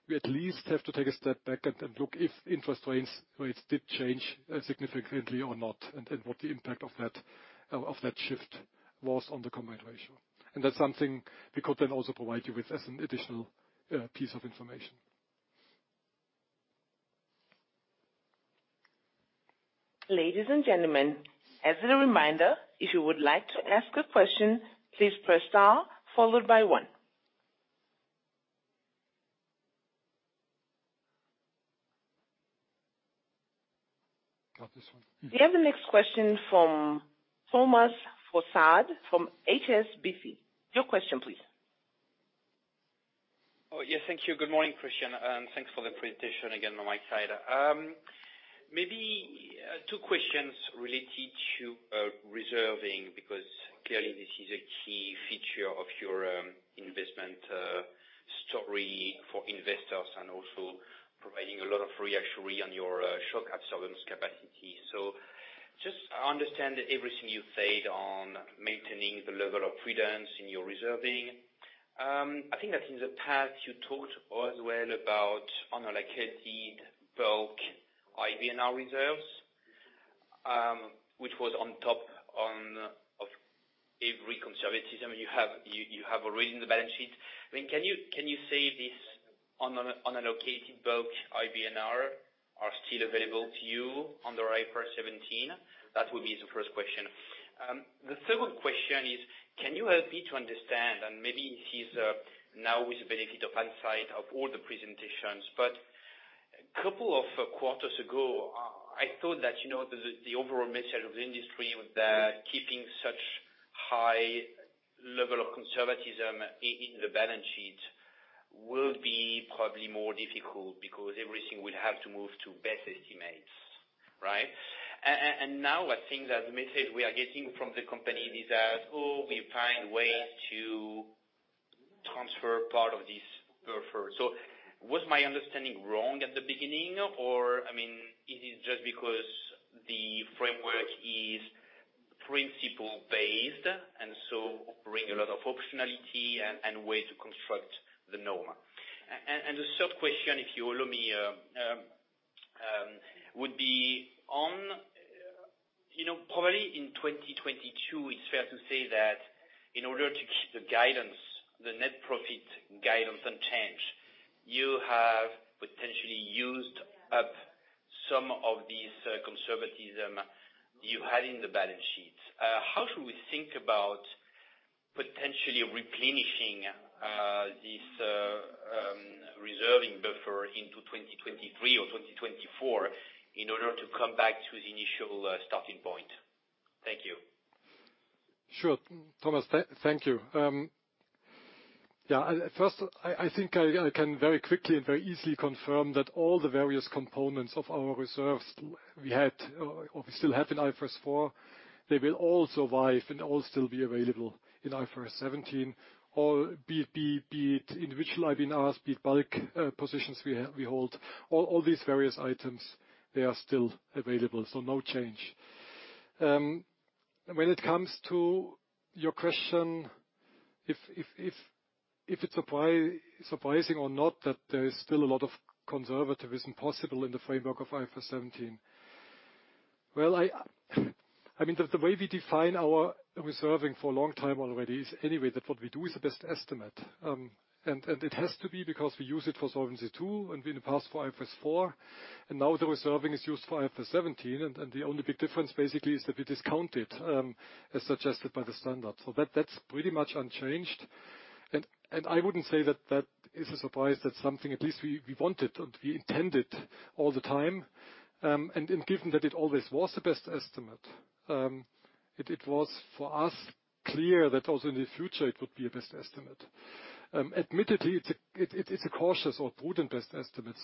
we at least have to take a step back and look if interest rates did change significantly or not, and what the impact of that shift was on the combined ratio. That's something we could then also provide you with as an additional piece of information. Ladies and gentlemen, as a reminder, if you would like to ask a question, please press star followed by one. Got this one? We have the next question from Thomas Fossard from HSBC. Your question, please. Oh, yes. Thank you. Good morning, Christian. thanks for the presentation again on my side. maybe two questions related to reserving, because clearly this is a key feature of your investment story for investors and also providing a lot of reaction on your shock absorbance capacity. Just I understand everything you said on maintaining the level of prudence in your reserving. I think that in the past, you talked as well about unallocated bulk IBNR reserves, which was on top of every conservatism you have already in the balance sheet. I mean, can you say this unallocated bulk IBNR are still available to you under IFRS 17? That would be the first question. The second question is, can you help me to understand, and maybe this is, now with the benefit of hindsight of all the presentations, but a couple of quarters ago, I thought that, you know, the overall message of the industry was that keeping such high level of conservatism in the balance sheet would be probably more difficult because everything will have to move to best estimates, right? Now I think that the message we are getting from the company is that, "Oh, we find ways to transfer part of this buffer." Was my understanding wrong at the beginning, or, I mean, is it just because the framework is principle-based and bring a lot of functionality and way to construct the norm? The third question, if you allow me, would be on, you know, probably in 2022, it's fair to say that in order to keep the guidance, the net profit guidance unchanged, you have potentially used up some of this conservatism you had in the balance sheet. How should we think about potentially replenishing this reserving buffer into 2023 or 2024 in order to come back to the initial starting point? Thank you. Sure, Thomas. Thank you. Yeah, at first, I think I can very quickly and very easily confirm that all the various components of our reserves we had or we still have in IFRS 4, they will all survive and all still be available in IFRS 17. All, be it individual IBNRs, be it bulk positions we hold, all these various items, they are still available. No change. When it comes to your question, if it's surprising or not that there is still a lot of conservatism possible in the framework of IFRS 17. Well, I mean, the way we define our reserving for a long time already is anyway, that what we do is the best estimate. It has to be because we use it for Solvency II and in the past for IFRS 4, and now the reserving is used for IFRS 17, and the only big difference basically is that we discount it as suggested by the standard. That's pretty much unchanged. I wouldn't say that that is a surprise. That's something at least we wanted and we intended all the time. Given that it always was the best estimate, it was for us clear that also in the future, it would be a best estimate. Admittedly, it's a cautious or prudent best estimate.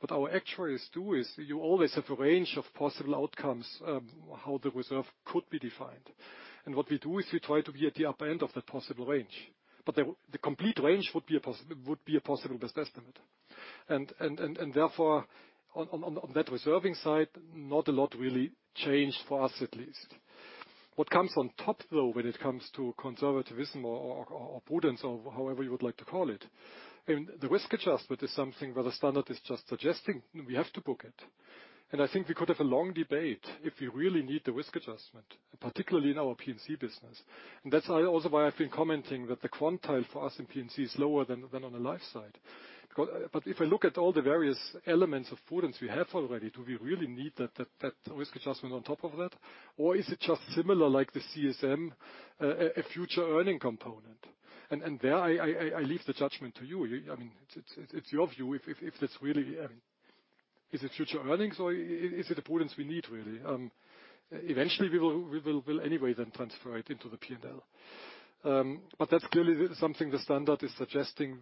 What our actuaries do is you always have a range of possible outcomes, how the reserve could be defined. What we do is we try to be at the upper end of that possible range. The complete range would be a possible best estimate. Therefore, on that reserving side, not a lot really changed for us, at least. What comes on top, though, when it comes to conservatism or prudence or however you would like to call it, I mean, the risk adjustment is something where the standard is just suggesting we have to book it. I think we could have a long debate if we really need the risk adjustment, particularly in our P&C business. That's also why I've been commenting that the quantile for us in P&C is lower than on the life side. Because... If I look at all the various elements of prudence we have already, do we really need that risk adjustment on top of that? Or is it just similar like the CSM, a future earning component? And there I leave the judgment to you. I mean, it's your view if that's really, I mean, is it future earnings, or is it the prudence we need, really? Eventually we'll anyway then transfer it into the P&L. That's clearly something the standard is suggesting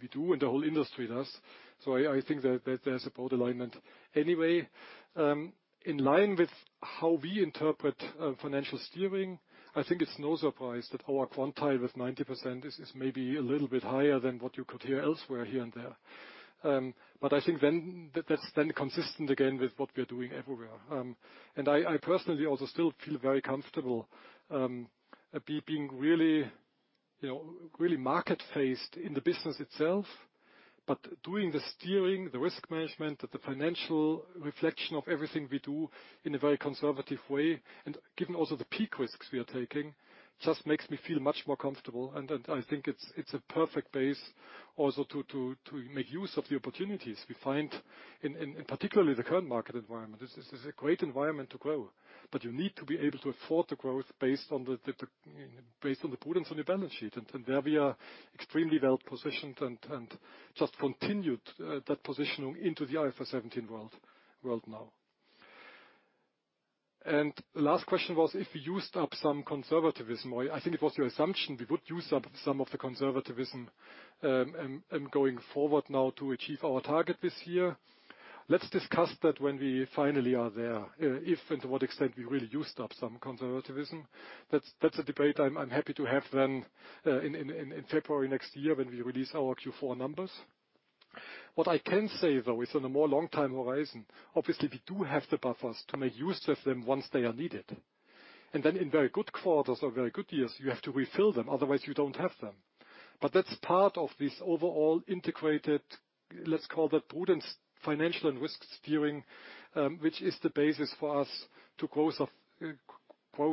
we do, and the whole industry does. I think that there's a broad alignment anyway. In line with how we interpret financial steering, I think it's no surprise that our quantile with 90% is maybe a little bit higher than what you could hear elsewhere here and there. I think then that's then consistent again with what we're doing everywhere. I personally also still feel very comfortable, being really, you know, really market-faced in the business itself. Doing the steering, the risk management, the financial reflection of everything we do in a very conservative way, and given also the peak risks we are taking, just makes me feel much more comfortable. I think it's a perfect base also to make use of the opportunities we find in particularly the current market environment. This is a great environment to grow, but you need to be able to afford the growth based on the prudence on your balance sheet. There we are extremely well positioned and just continued that positioning into the IFRS 17 world now. The last question was if we used up some conservatism, or I think it was your assumption we would use up some of the conservatism going forward now to achieve our target this year. Let's discuss that when we finally are there. If and to what extent we really used up some conservatism. That's a debate I'm happy to have then in February next year when we release our Q4 numbers. What I can say, though, is on a more long time horizon, obviously we do have the buffers to make use of them once they are needed. In very good quarters or very good years, you have to refill them, otherwise you don't have them. That's part of this overall integrated, let's call it prudence financial and risk steering, which is the basis for us to grow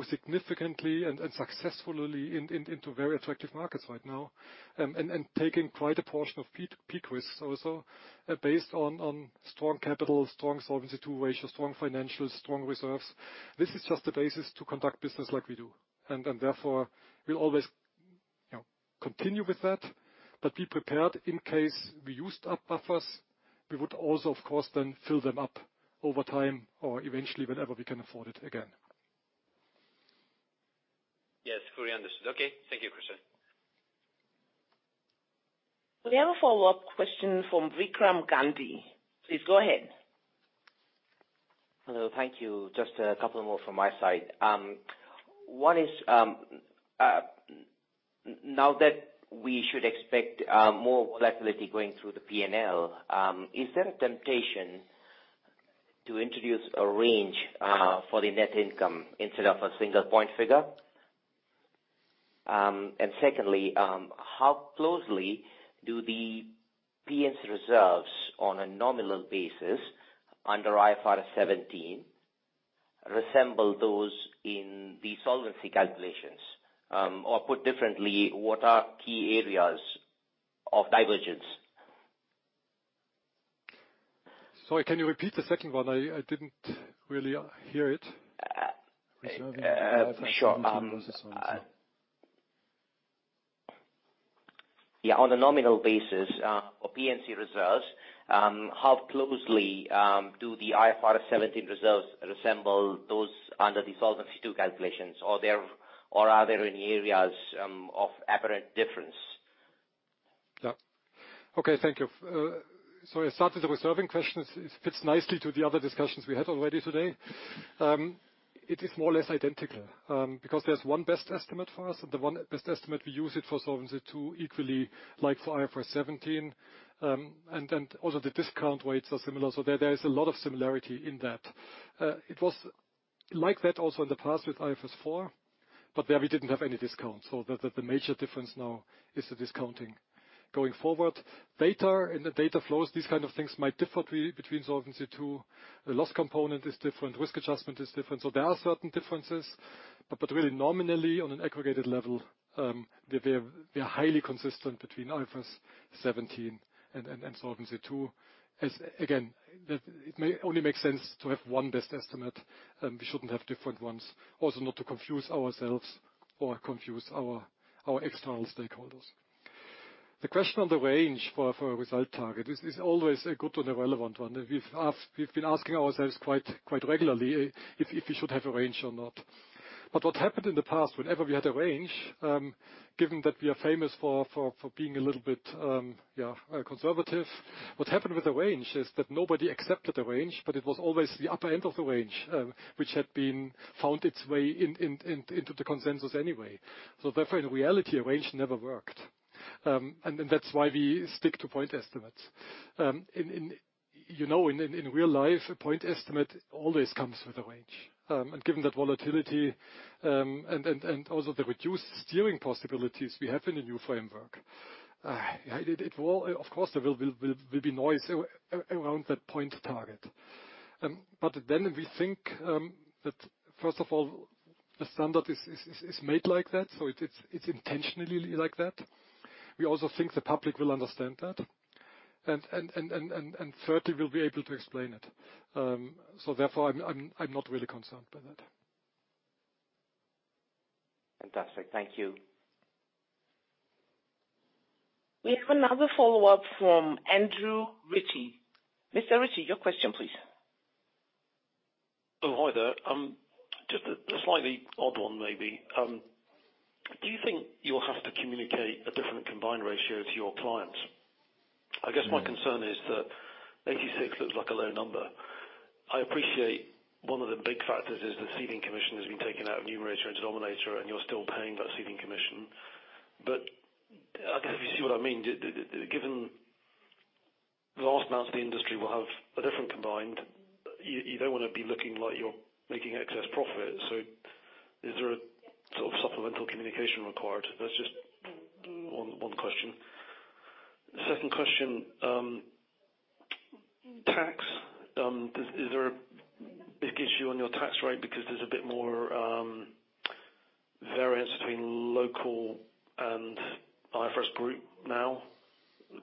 significantly and successfully into very attractive markets right now. Taking quite a portion of peak risks also, based on strong capital, strong Solvency II ratios, strong financials, strong reserves. This is just the basis to conduct business like we do. Therefore, we'll always, you know, continue with that. Be prepared in case we used up buffers, we would also, of course, then fill them up over time or eventually whenever we can afford it again. Yes, fully understood. Okay, thank you, Christian. We have a follow-up question from Vikram Gandhi. Please go ahead. Hello, thank you. Just a couple more from my side. One is, now that we should expect more volatility going through the P&L, is there a temptation to introduce a range for the net income instead of a single point figure? Secondly, how closely do the P&C reserves on a nominal basis under IFRS 17 resemble those in the Solvency calculations? Or put differently, what are key areas of divergence? Sorry, can you repeat the second one? I didn't really hear it. On a nominal basis, or P&C reserves, how closely do the IFRS 17 results resemble those under the Solvency II calculations, or are there any areas of apparent difference? Yeah. Okay, thank you. I started with a serving question. It fits nicely to the other discussions we had already today. It is more or less identical, because there's one best estimate for us, and the one best estimate, we use it for Solvency II equally, like for IFRS 17. Also the discount weights are similar. There is a lot of similarity in that. It was like that also in the past with IFRS 4, but there we didn't have any discounts. The major difference now is the discounting going forward. Data and the data flows, these kind of things might differ between Solvency II. The loss component is different, risk adjustment is different. There are certain differences, but really nominally on an aggregated level, they're highly consistent between IFRS 17 and Solvency II. As again, it may only make sense to have one best estimate, we shouldn't have different ones. Also not to confuse ourselves or confuse our external stakeholders. The question on the range for a result target is always a good and a relevant one. We've asked, we've been asking ourselves quite regularly if we should have a range or not. What happened in the past, whenever we had a range, given that we are famous for being a little bit, yeah, conservative. What happened with the range is that nobody accepted the range, but it was always the upper end of the range, which had been found its way in, in, into the consensus anyway. Therefore, in reality, a range never worked. That's why we stick to point estimates. In, you know, in real life, a point estimate always comes with a range. Given that volatility, and also the reduced steering possibilities we have in the new framework. It will. Of course, there will be noise around that point target. Then we think that first of all, the standard is made like that, so it's intentionally like that. We also think the public will understand that. Thirdly, we'll be able to explain it. Therefore, I'm not really concerned by that. Fantastic. Thank you. We have another follow-up from Andrew Ritchie. Mr. Ritchie, your question please. Oh, hi there. Just slightly odd one maybe. Do you think you'll have to communicate a different combined ratio to your clients? Mm-hmm. I guess my concern is that 86 looks like a low number. I appreciate one of the big factors is the ceding commission has been taken out of numerator or denominator, and you're still paying that ceding commission. I don't know if you see what I mean. given the vast amounts of the industry will have a different combined, you don't wanna be looking like you're making excess profit. Is there a sort of supplemental communication required? That's just on. Mm. One question. Second question, tax. Is there a big issue on your tax rate because there's a bit more variance between local and IFRS group now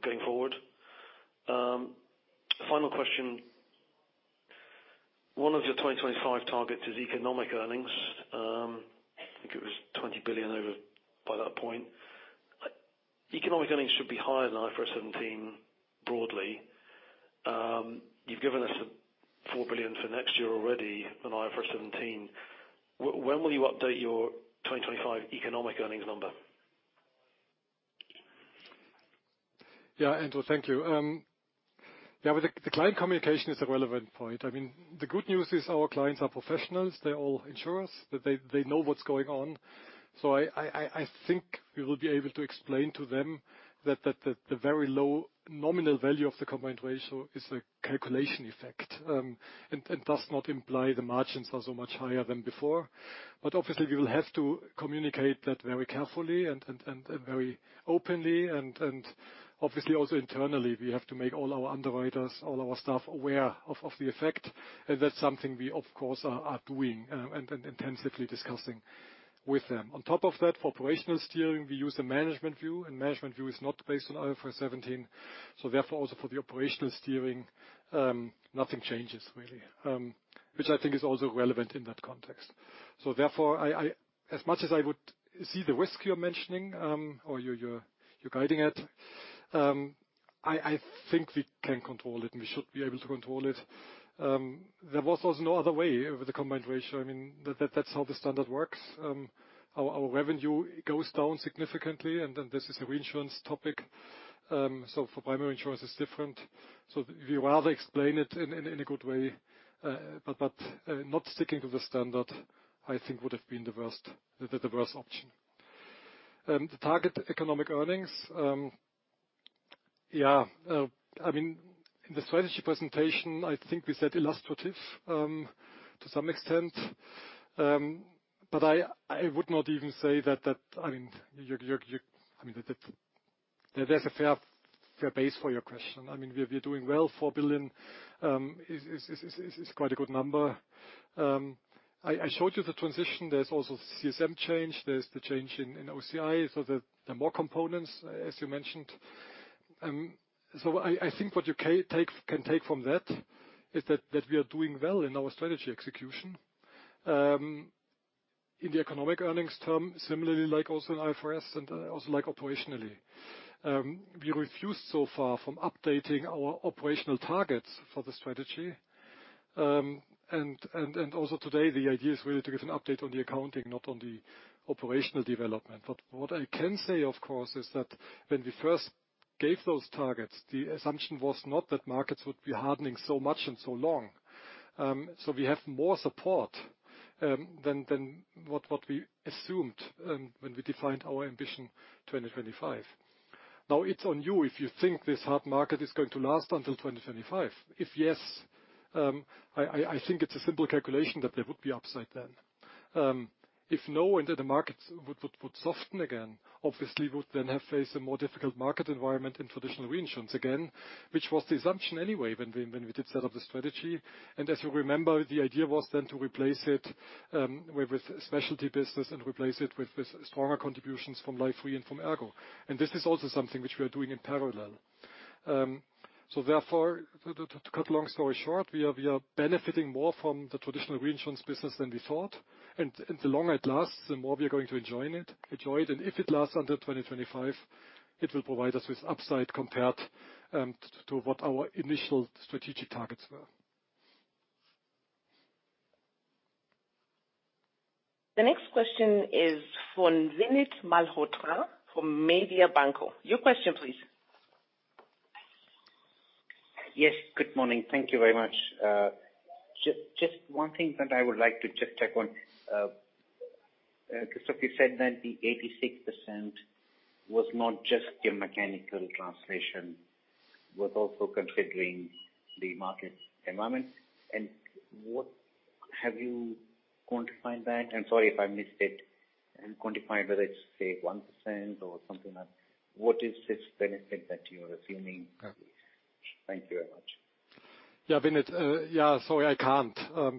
going forward? Final question. One of your 2025 targets is economic earnings. I think it was 20 billion over by that point. Economic earnings should be higher than IFRS 17 broadly. You've given us 4 billion for next year already on IFRS 17. When will you update your 2025 economic earnings number? Andrew, thank you. The client communication is a relevant point. I mean, the good news is our clients are professionals. They're all insurers, that they know what's going on. I think we will be able to explain to them that the very low nominal value of the combined ratio is a calculation effect, and does not imply the margins are so much higher than before. Obviously, we will have to communicate that very carefully and very openly and obviously also internally, we have to make all our underwriters, all our staff aware of the effect. That's something we, of course, are doing and intensively discussing with them. On top of that, for operational steering, we use a management view. Management view is not based on IFRS 17. Therefore also for the operational steering, nothing changes really. Which I think is also relevant in that context. Therefore, I, as much as I would see the risk you're mentioning, or you're guiding at, I think we can control it, and we should be able to control it. There was also no other way with the combined ratio. I mean, that's how the standard works. Our revenue goes down significantly and then this is a reinsurance topic. For primary insurance, it's different. We rather explain it in a good way, but not sticking to the standard, I think would have been the worst option. The target economic earnings. I mean, in the strategy presentation, I think we said illustrative to some extent. I would not even say that, you're, you're. That, that. There's a fair base for your question. We're doing well. 4 billion is quite a good number. I showed you the transition. There's also CSM change, there's the change in OCI, so there are more components as you mentioned. So I think what you can take from that is that we are doing well in our strategy execution. In the economic earnings term, similarly like also in IFRS and also like operationally. We refused so far from updating our operational targets for the strategy. Also today, the idea is really to give an update on the accounting, not on the operational development. What I can say, of course, is that when we first gave those targets, the assumption was not that markets would be hardening so much and so long. We have more support than what we assumed when we defined our Ambition 2025. Now, it's on you if you think this hard market is going to last until 2025. If yes, I think it's a simple calculation that there would be upside then. If no, and that the markets would soften again, obviously we would then have faced a more difficult market environment in traditional reinsurance again, which was the assumption anyway when we did set up the strategy. As you remember, the idea was then to replace it with specialty business and replace it with stronger contributions from Life Re and from ERGO. This is also something which we are doing in parallel. Therefore, to cut a long story short, we are benefiting more from the traditional reinsurance business than we thought. The longer it lasts, the more we are going to enjoy it. If it lasts until 2025, it will provide us with upside compared to what our initial strategic targets were. The next question is from Vinit Malhotra from Mediobanca. Your question, please. Yes, good morning. Thank you very much. Just one thing that I would like to just check on. Christoph, you said that the 86% was not just a mechanical translation, it was also considering the market environment. What have you quantified that? Sorry if I missed it. Quantified whether it's, say, 1% or something like... What is this benefit that you're assuming? Okay. Thank you very much. Yeah, Vinit. Yeah, sorry, I can't,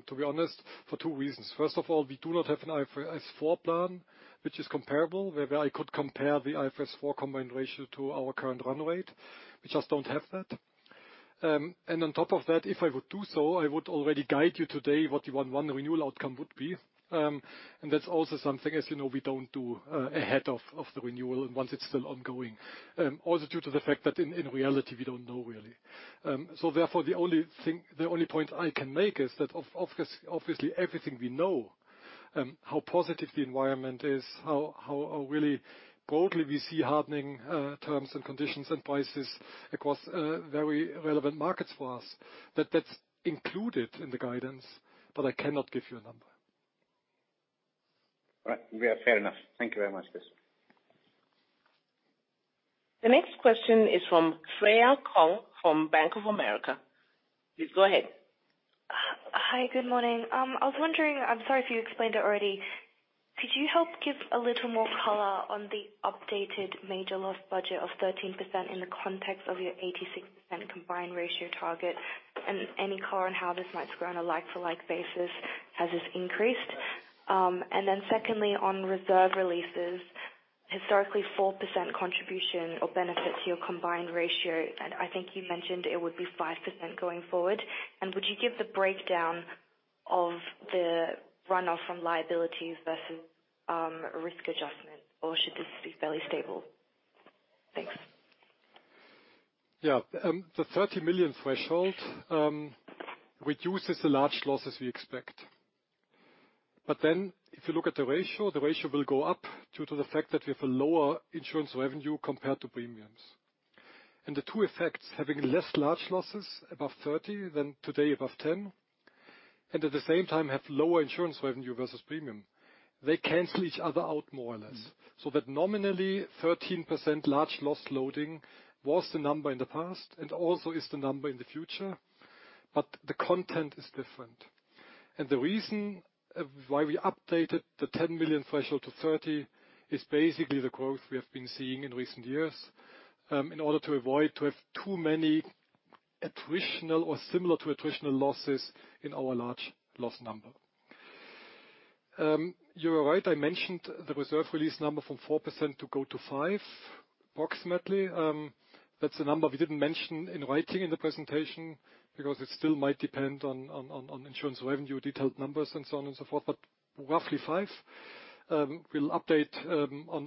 to be honest, for two reasons. First of all, we do not have an IFRS 4 plan which is comparable, where I could compare the IFRS 4 combined ratio to our current run rate. We just don't have that. On top of that, if I would do so, I would already guide you today what the 1/1 renewal outcome would be. That's also something, as you know, we don't do ahead of the renewal, once it's still ongoing. Also due to the fact that in reality, we don't know, really. Therefore, the only point I can make is that obviously, everything we know, how positive the environment is, how really boldly we see hardening, terms and conditions and prices across, very relevant markets for us, that that's included in the guidance, but I cannot give you a number. Right. Yeah, fair enough. Thank you very much, Chris. The next question is from Freya Kong from Bank of America. Please go ahead. Hi, good morning. I was wondering. I'm sorry if you explained it already. Could you help give a little more color on the updated major loss budget of 13% in the context of your 86% combined ratio target? Any color on how this might grow on a like-for-like basis, has this increased? Secondly, on reserve releases, historically, 4% contribution or benefit to your combined ratio, I think you mentioned it would be 5% going forward. Would you give the breakdown of the run-off from liabilities versus risk adjustment? Should this be fairly stable? Thanks. The 30 million threshold reduces the large losses we expect. If you look at the ratio, the ratio will go up due to the fact that we have a lower insurance revenue compared to premiums. Having less large losses above 30 million than today above 10 million, and at the same time have lower insurance revenue versus premium, they cancel each other out more or less. Nominally 13% large loss loading was the number in the past and also is the number in the future, but the content is different. The reason why we updated the 10 million threshold to 30 million, is basically the growth we have been seeing in recent years, in order to avoid to have too many attritional or similar to attritional losses in our large loss number. You are right, I mentioned the reserve release number from 4%-5%, approximately. That's a number we didn't mention in writing in the presentation because it still might depend on insurance revenue, detailed numbers, and so on and so forth. Roughly five. We'll update on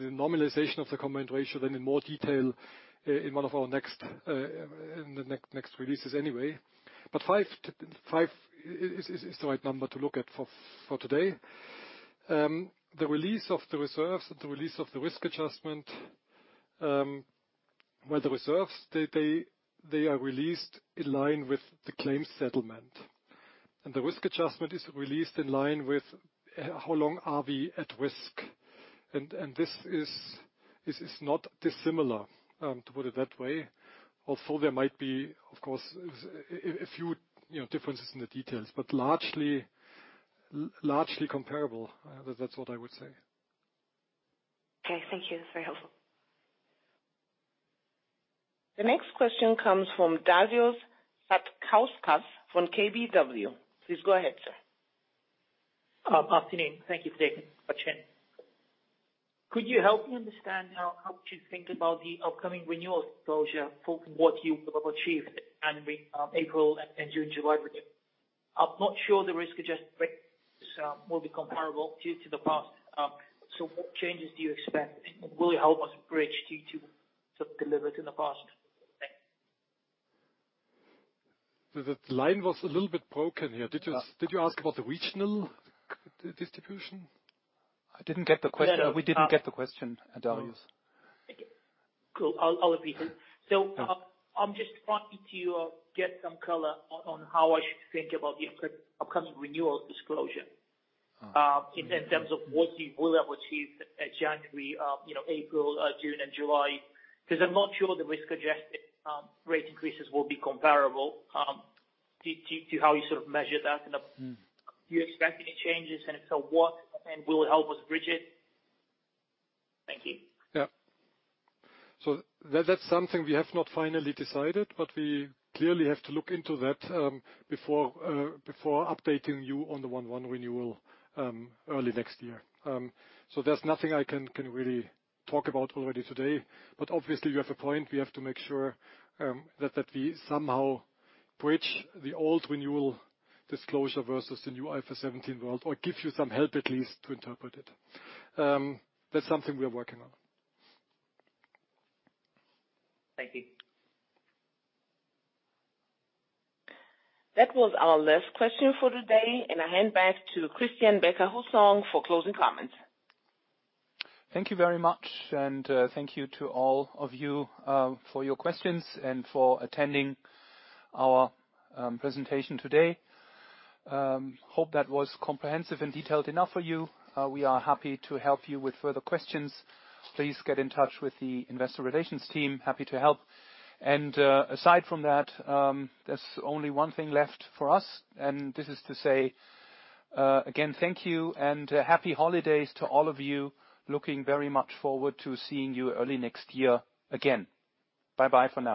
the normalization of the combined ratio then in more detail in one of our next releases anyway. Five is the right number to look at for today. The release of the reserves, the release of the risk adjustment, well, the reserves, they are released in line with the claims settlement. The risk adjustment is released in line with how long are we at risk. This is not dissimilar to put it that way. Although there might be, of course, a few, you know, differences in the details, largely comparable. That's what I would say. Okay, thank you. That's very helpful. The next question comes from Darius Satkauskas from KBW. Please go ahead, sir. Afternoon. Thank you for taking the question. Could you help me understand how to think about the upcoming renewal disclosure for what you have achieved January, April, and June, July review? I'm not sure the risk-adjusted rates will be comparable due to the past, so what changes do you expect? Will you help us bridge due to sort of deliver to the past? Thanks. The line was a little bit broken here. Yeah. Did you ask about the regional distribution? I didn't get the question. No, no. We didn't get the question, Darius. Okay. Cool. I'll repeat it. Yeah. I'm just wanting to get some color on how I should think about the upcoming renewal disclosure. Mm. In terms of what you will have achieved at January, you know, April, June, and July. I'm not sure the risk-adjusted rate increases will be comparable due to how you sort of measure that and. Mm. Do you expect any changes? If so, what? Will it help us bridge it? Thank you. Yeah. That's something we have not finally decided, but we clearly have to look into that before updating you on the 1/1 renewal early next year. There's nothing I can really talk about already today. Obviously, you have a point. We have to make sure that we somehow bridge the old renewal disclosure versus the new IFRS 17 world, or give you some help at least to interpret it. That's something we are working on. Thank you. That was our last question for today. I hand back to Christian Becker-Hussong for closing comments. Thank you very much. Thank you to all of you for your questions and for attending our presentation today. Hope that was comprehensive and detailed enough for you. We are happy to help you with further questions. Please get in touch with the investor relations team. Happy to help. Aside from that, there's only one thing left for us, and this is to say again, thank you and happy holidays to all of you. Looking very much forward to seeing you early next year again. Bye-bye for now.